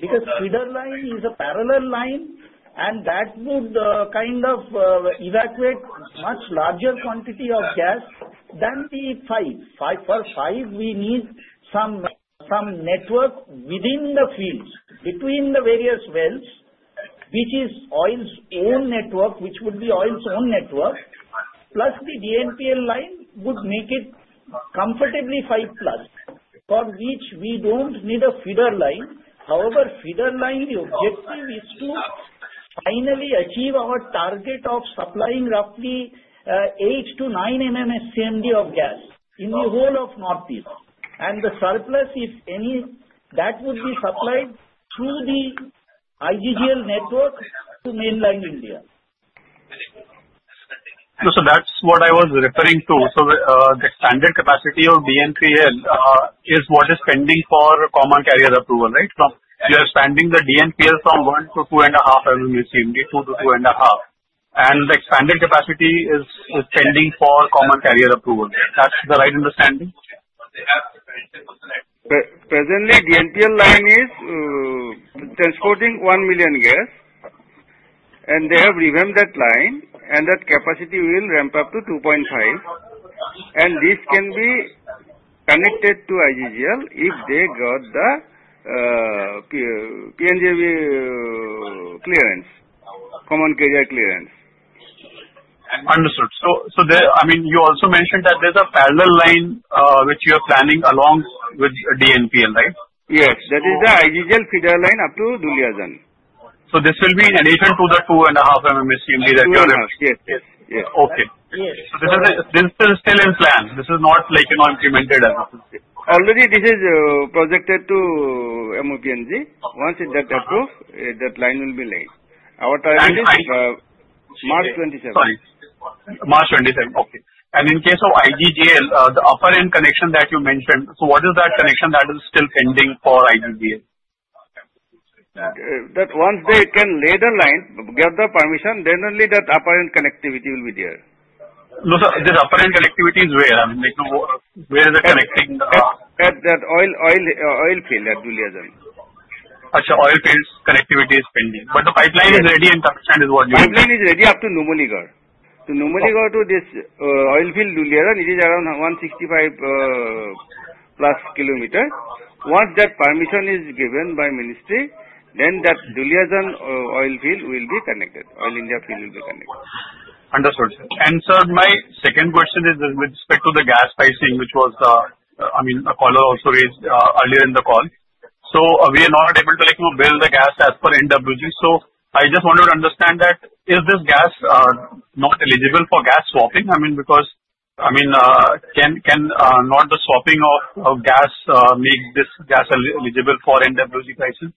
because feeder line is a parallel line, and that would kind of evacuate a much larger quantity of gas than the five. For five, we need some network within the fields between the various wells, which is oil's own network, which would be oil's own network, plus the DNPL line would make it comfortably five plus for which we don't need a feeder line. However, feeder line, the objective is to finally achieve our target of supplying roughly eight to 9 MMSCMD of gas in the whole of Northeast, and the surplus, if any, that would be supplied through the IGGL network to mainland India. So that's what I was referring to. So the expanded capacity of DNPL is what is pending for common carrier approval, right? You are expanding the DNPL from 1 MMSCMD - 2.5 MMSCMD, two to two and a half. And the expanded capacity is pending for common carrier approval. That's the right understanding? Presently, the DNPL line is transporting one million gas, and they have revamped that line, and that capacity will ramp up to 2.5, and this can be connected to IGGL if they got the PNGRB clearance, common carrier clearance. Understood. So I mean, you also mentioned that there's a parallel line which you are planning along with DNPL, right? Yes. That is the IGGL feeder line up to Duliajan. So this will be in addition to the 2.5 MMSCMD that you are referring to? Yes. Yes. Okay, so this is still in plan. This is not implemented as of this year. Already, this is projected to MOPNG. Once it gets approved, that line will be laid. Our target is March 2027. March 2027. Okay. And in case of IGGL, the upper-end connection that you mentioned, so what is that connection that is still pending for IGGL? Once they can lay the line, get the permission, then only that upper-end connectivity will be there. No, sir. This upper-end connectivity is where? I mean, where is it connecting? At that oil field at Duliajan. Oh, so oil field connectivity is pending. But the pipeline is ready and commissioned is what you mean? Pipeline is ready up to Numaligarh. To Numaligarh, to this oil field, Duliajan, it is around 165+ km. Once that permission is given by ministry, then that Duliajan oil field will be connected. Oil India field will be connected. Understood, and sir, my second question is with respect to the gas pricing, which was, I mean, a caller also raised earlier in the call. So we are not able to build the gas as per NWG. So I just wanted to understand that, is this gas not eligible for gas swapping? I mean, because, I mean, can not the swapping of gas make this gas eligible for NWG pricing?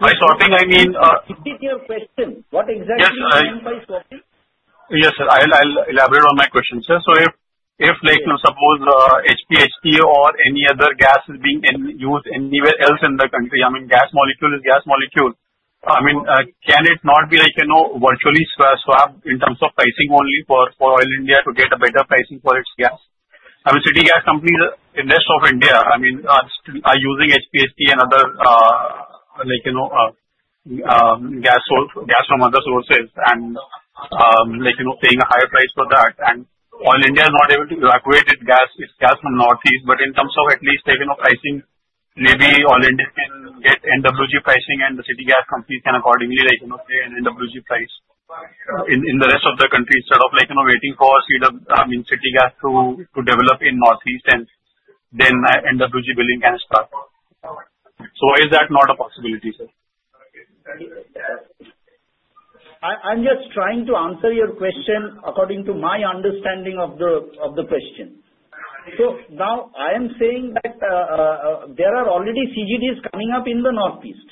By swapping, I mean. Repeat your question. What exactly is meant by swapping? Yes, sir. I'll elaborate on my question, sir. So if, suppose, HPHT or any other gas is being used anywhere else in the country, I mean, gas molecule is gas molecule, I mean, can it not be virtually swapped in terms of pricing only for Oil India to get a better pricing for its gas? I mean, city gas companies in the rest of India, I mean, are using HPHT and other gas from other sources and paying a higher price for that. And Oil India is not able to evacuate its gas from northeast, but in terms of at least pricing, maybe Oil India can get NWG pricing, and the city gas companies can accordingly pay an NWG price in the rest of the country instead of waiting for, I mean, city gas to develop in northeast, and then NWG billing can start. So is that not a possibility, sir? I'm just trying to answer your question according to my understanding of the question, so now I am saying that there are already CGDs coming up in the Northeast,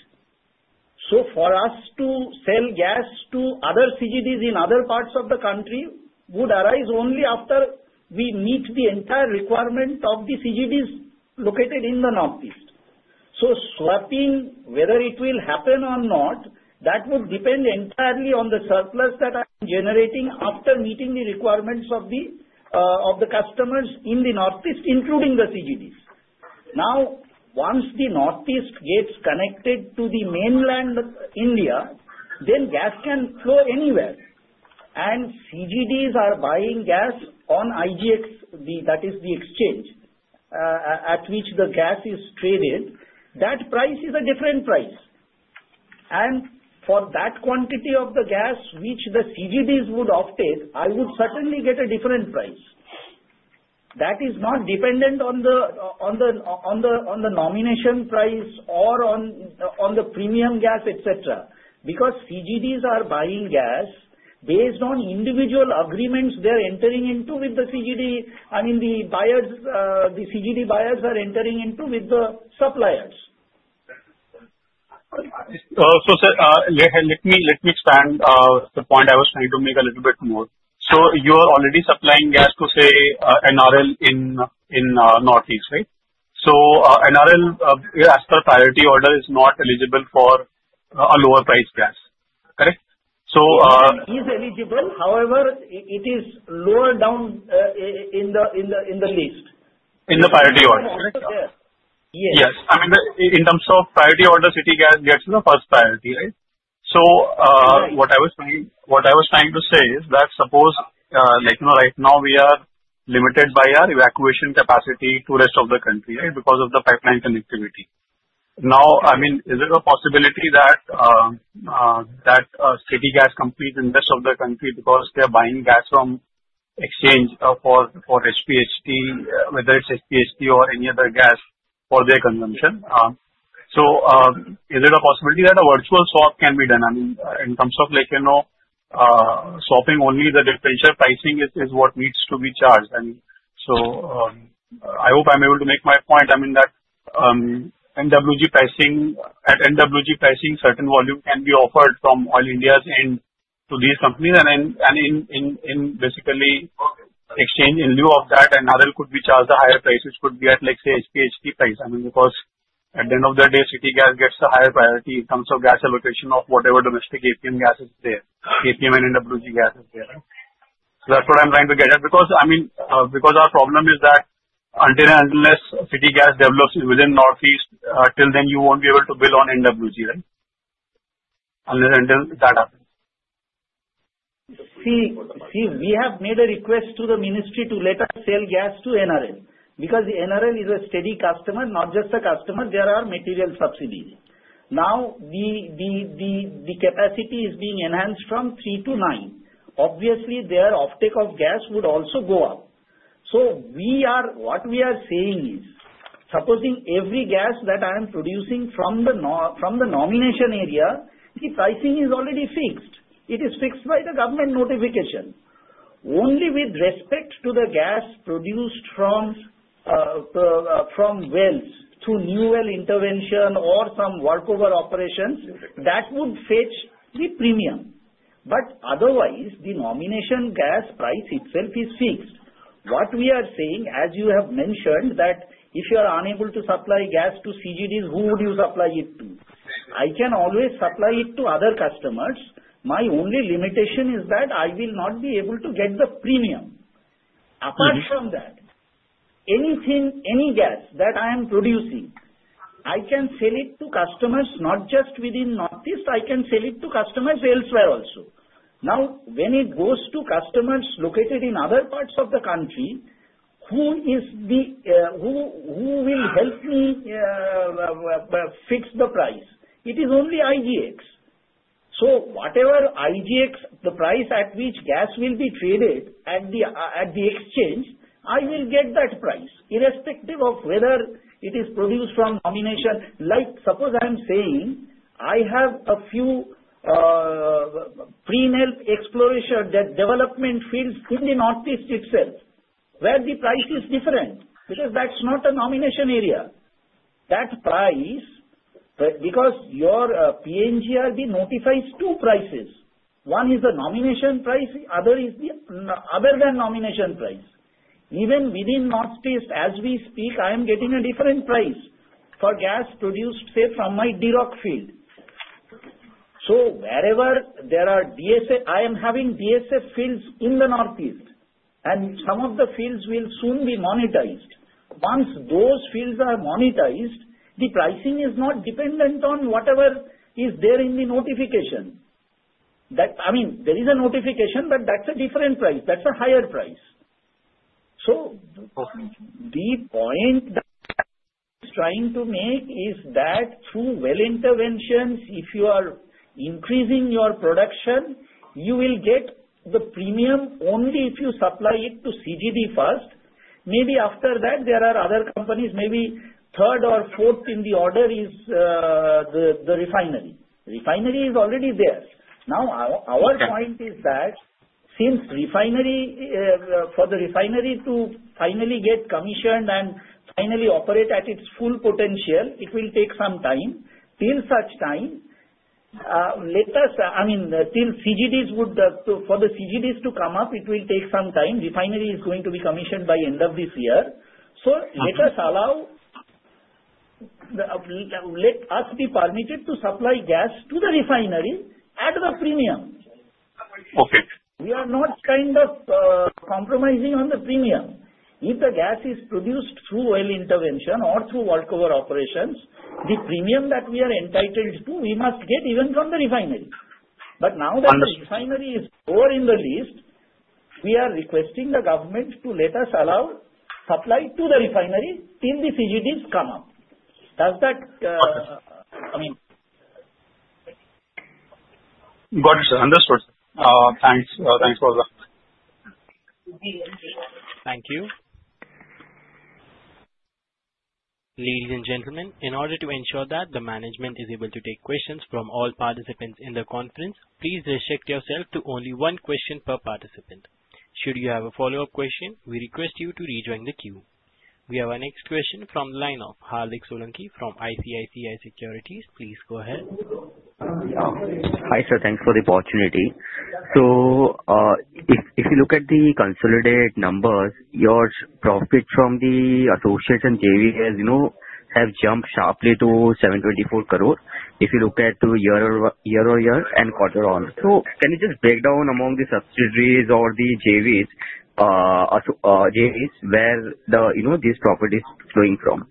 so for us to sell gas to other CGDs in other parts of the country would arise only after we meet the entire requirement of the CGDs located in the Northeast, so swapping, whether it will happen or not, that would depend entirely on the surplus that I'm generating after meeting the requirements of the customers in the Northeast, including the CGDs. Now, once the Northeast gets connected to the mainland India, then gas can flow anywhere, and CGDs are buying gas on IGX, that is the exchange at which the gas is traded. That price is a different price, and for that quantity of the gas which the CGDs would offtake, I would certainly get a different price. That is not dependent on the nomination price or on the premium gas, etc. Because CGDs are buying gas based on individual agreements they're entering into with the CGD. I mean, the CGD buyers are entering into with the suppliers. So sir, let me expand the point I was trying to make a little bit more. So you are already supplying gas to, say, NRL in northeast, right? So NRL, as per priority order, is not eligible for a lower-priced gas, correct? So. It is eligible. However, it is lower down in the list. In the priority order, correct? Yes. Yes. Yes. I mean, in terms of priority order, city gas gets the first priority, right? So what I was trying to say is that, suppose, right now, we are limited by our evacuation capacity to the rest of the country, right, because of the pipeline connectivity. Now, I mean, is there a possibility that city gas companies in the rest of the country, because they're buying gas from exchange for HPHT, whether it's HPHT or any other gas for their consumption, so is there a possibility that a virtual swap can be done? I mean, in terms of swapping only, the differential pricing is what needs to be charged. I mean, so I hope I'm able to make my point. I mean, that at NWG pricing, certain volume can be offered from Oil India's end to these companies and in basic exchange in lieu of that, and NRL could be charged a higher price, which could be at, say, HPHT price. I mean, because at the end of the day, city gas gets the higher priority in terms of gas allocation of whatever domestic APM gas is there, APM and NWG gas is there. So that's what I'm trying to get at. Because our problem is that until and unless city gas develops within northeast, till then, you won't be able to bill on NWG, right? Unless that happens. See, we have made a request to the ministry to let us sell gas to NRL because NRL is a steady customer, not just a customer. There are material subsidies. Now, the capacity is being enhanced from three to nine. Obviously, their offtake of gas would also go up. So what we are saying is, supposing every gas that I am producing from the nomination area, the pricing is already fixed. It is fixed by the government notification. Only with respect to the gas produced from wells through new well intervention or some workover operations, that would fetch the premium. But otherwise, the nomination gas price itself is fixed. What we are saying, as you have mentioned, that if you are unable to supply gas to CGDs, who would you supply it to? I can always supply it to other customers. My only limitation is that I will not be able to get the premium. Apart from that, any gas that I am producing, I can sell it to customers not just within Northeast; I can sell it to customers elsewhere also. Now, when it goes to customers located in other parts of the country, who will help me fix the price? It is only IGX. So whatever IGX, the price at which gas will be traded at the exchange, I will get that price irrespective of whether it is produced from nomination. Suppose I am saying I have a few pre-exploration development fields in the Northeast itself where the price is different because that's not a nomination area. That price, because your PNGRB notifies two prices. One is the nomination price. Other than nomination price, even within Northeast, as we speak, I am getting a different price for gas produced, say, from my Dirok field. So wherever there are DSF, I am having DSF fields in the Northeast, and some of the fields will soon be monetized. Once those fields are monetized, the pricing is not dependent on whatever is there in the notification. I mean, there is a notification, but that's a different price. That's a higher price. So the point that I'm trying to make is that through well interventions, if you are increasing your production, you will get the premium only if you supply it to CGD first. Maybe after that, there are other companies. Maybe third or fourth in the order is the refinery. Refinery is already there. Now, our point is that since for the refinery to finally get commissioned and finally operate at its full potential, it will take some time. Till such time, I mean, for the CGDs to come up, it will take some time. Refinery is going to be commissioned by end of this year. So let us be permitted to supply gas to the refinery at the premium. We are not kind of compromising on the premium. If the gas is produced through well intervention or through workover operations, the premium that we are entitled to, we must get even from the refinery. But now that the refinery is lower in the list, we are requesting the government to let us allow supply to the refinery till the CGDs come up. Does that? Got it, sir. Understood. Thanks. Thanks for the. Thank you. Ladies and gentlemen, in order to ensure that the management is able to take questions from all participants in the conference, please restrict yourself to only one question per participant. Should you have a follow-up question, we request you to rejoin the queue. We have our next question from the line of Hardik Solanki from ICICI Securities. Please go ahead. Hi sir, thanks for the opportunity. So if you look at the consolidated numbers, your profit from the associates and JVs have jumped sharply to 724 crore if you look at year over year and quarter on. So can you just break down among the subsidiaries or the JVs where these profit is flowing from?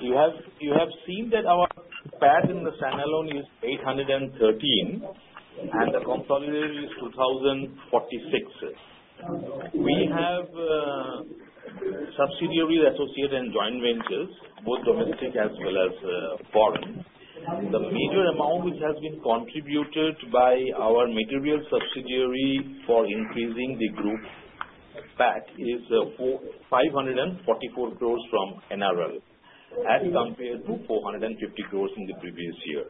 You have seen that our PAT in the standalone is 813 crores, and the consolidated is 2,046 crores. We have subsidiaries, associates, and joint ventures, both domestic as well as foreign. The major amount which has been contributed by our material subsidiary for increasing the group PAT is 544 crores from NRL as compared to 450 crores in the previous year.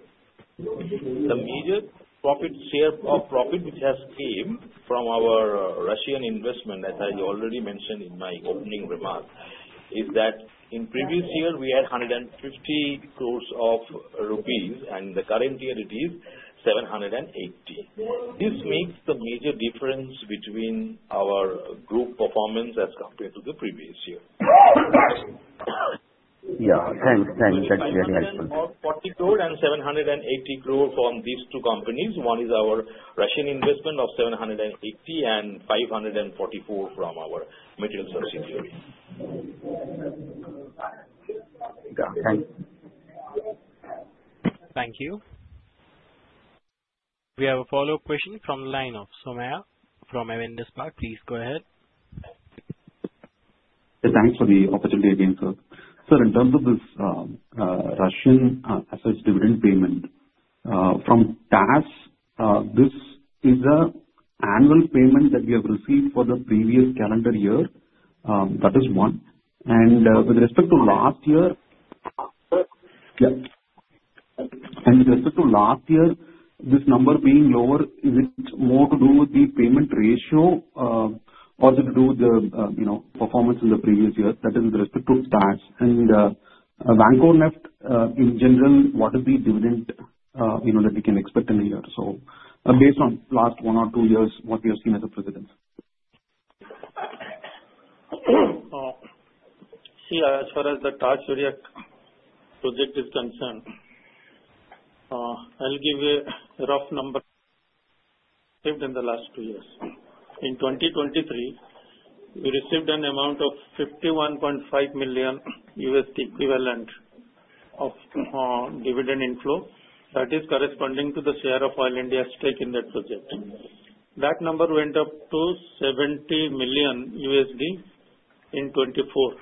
The major profit share of profit which has come from our Russian investment, as I already mentioned in my opening remark, is that in previous year, we had 150 crores of rupees, and the current year it is 780. This makes the major difference between our group performance as compared to the previous year. Yeah. Thanks. Thanks. That's really helpful. 444 crores and 780 crores from these two companies. One is our Russian investment of 780 crores and 544 crores from our material subsidiary. Yeah. Thanks. Thank you. We have a follow-up question from the line of Somaiya V from Avendus Spark. Please go ahead. Thanks for the opportunity again, sir. Sir, in terms of this Russian assets dividend payment from Taas-Yuryakh, this is an annual payment that we have received for the previous calendar year. That is one. And with respect to last year, yeah, this number being lower, is it more to do with the payment ratio or does it do with the performance in the previous year? That is with respect to Taas-Yuryakh and Vankorneft. In general, what is the dividend that we can expect in a year? So based on last one or two years, what we have seen as precedent. See, as far as the Taas project is concerned, I'll give you a rough number. In the last two years, in 2023, we received an amount of $51.5 million equivalent of dividend inflow. That is corresponding to the share of Oil India's stake in that project. That number went up to $70 million in 2024.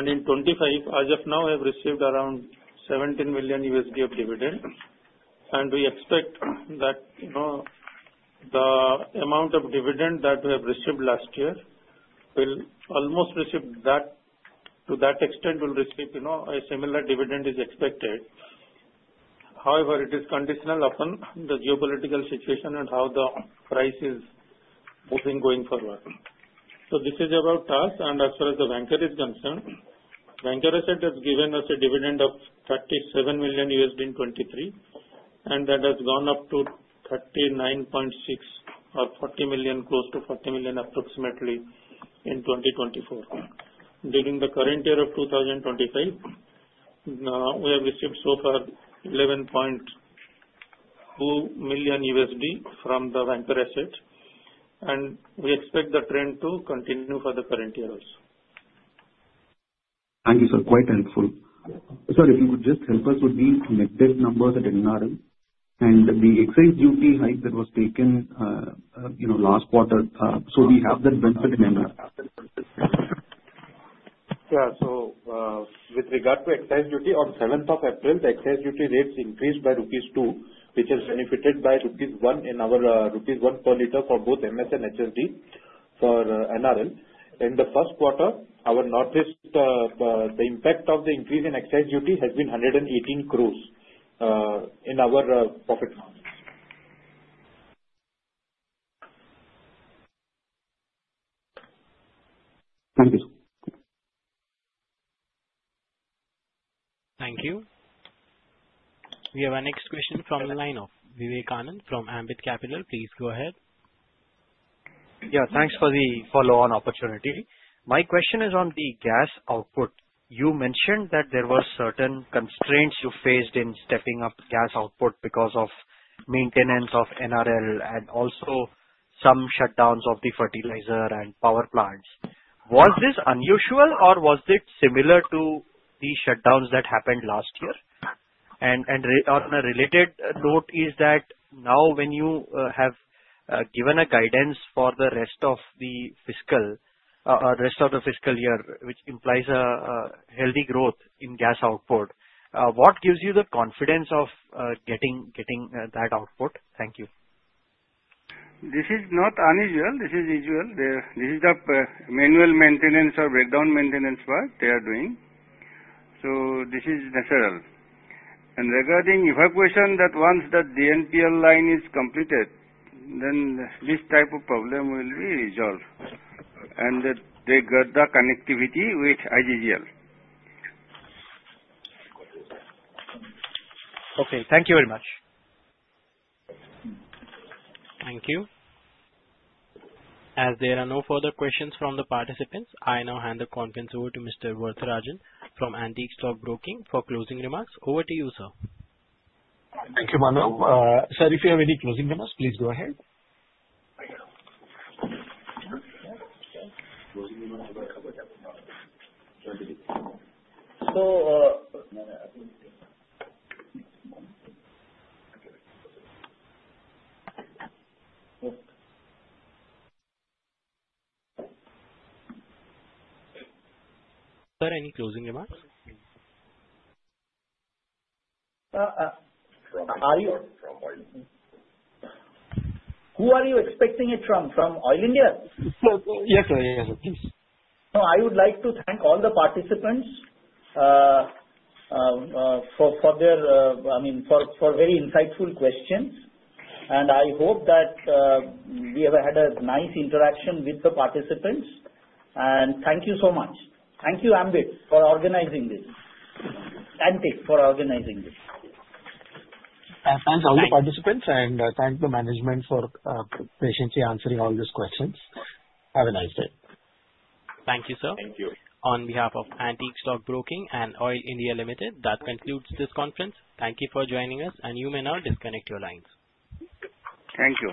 And in 2025, as of now, we have received around $17 million of dividend. And we expect that the amount of dividend that we have received last year will almost receive that to that extent will receive a similar dividend is expected. However, it is conditional upon the geopolitical situation and how the price is moving going forward. So this is about Taas. As far as the Vankor is concerned, Vankor has given us a dividend of $37 million in 2023, and that has gone up to $39.6 million or $40 million, close to $40 million approximately in 2024. During the current year of 2025, we have received so far $11.2 million from the Vankor asset, and we expect the trend to continue for the current year also. Thank you, sir. Quite helpful. Sir, if you could just help us with the net debt numbers at NRL and the excise duty hike that was taken last quarter, so we have that benefit in NRL. With regard to excise duty, on 7th of April, the excise duty rates increased by rupees 2 crores, which has benefited by rupees 1 crores in our rupees 1 per liter for both MS and HSD for NRL. In the first quarter, the impact of the increase in excise duty has been 118 crores in our profit margins. Thank you. Thank you. We have our next question from the line of Vivekanand from Ambit Capital. Please go ahead. Yeah. Thanks for the follow-on opportunity. My question is on the gas output. You mentioned that there were certain constraints you faced in stepping up gas output because of maintenance of NRL and also some shutdowns of the fertilizer and power plants. Was this unusual or was it similar to the shutdowns that happened last year? And on a related note, is that now when you have given a guidance for the rest of the fiscal or rest of the fiscal year, which implies a healthy growth in gas output, what gives you the confidence of getting that output? Thank you. This is not unusual. This is usual. This is the manual maintenance or breakdown maintenance work they are doing. So this is natural. And regarding evacuation, that once the DNPL line is completed, then this type of problem will be resolved. And they got the connectivity with IGGL. Okay. Thank you very much. Thank you. As there are no further questions from the participants, I now hand the conference over to Mr. Varatharajan from Antique Stockbroking for closing remarks. Over to you, sir. Thank you, Manu. Sir, if you have any closing remarks, please go ahead. So, sir, any closing remarks? Who are you expecting it from? From Oil India? Yes, sir. Yes, sir. Please. No, I would like to thank all the participants for their, I mean, for very insightful questions. And I hope that we have had a nice interaction with the participants. And thank you so much. Thank you, Ambit, for organizing this. Antique for organizing this. Thanks all the participants. Thank the management for patiently answering all these questions. Have a nice day. Thank you, sir. Thank you. On behalf of Antique Stockbroking and Oil India Limited, that concludes this conference. Thank you for joining us, and you may now disconnect your lines. Thank you.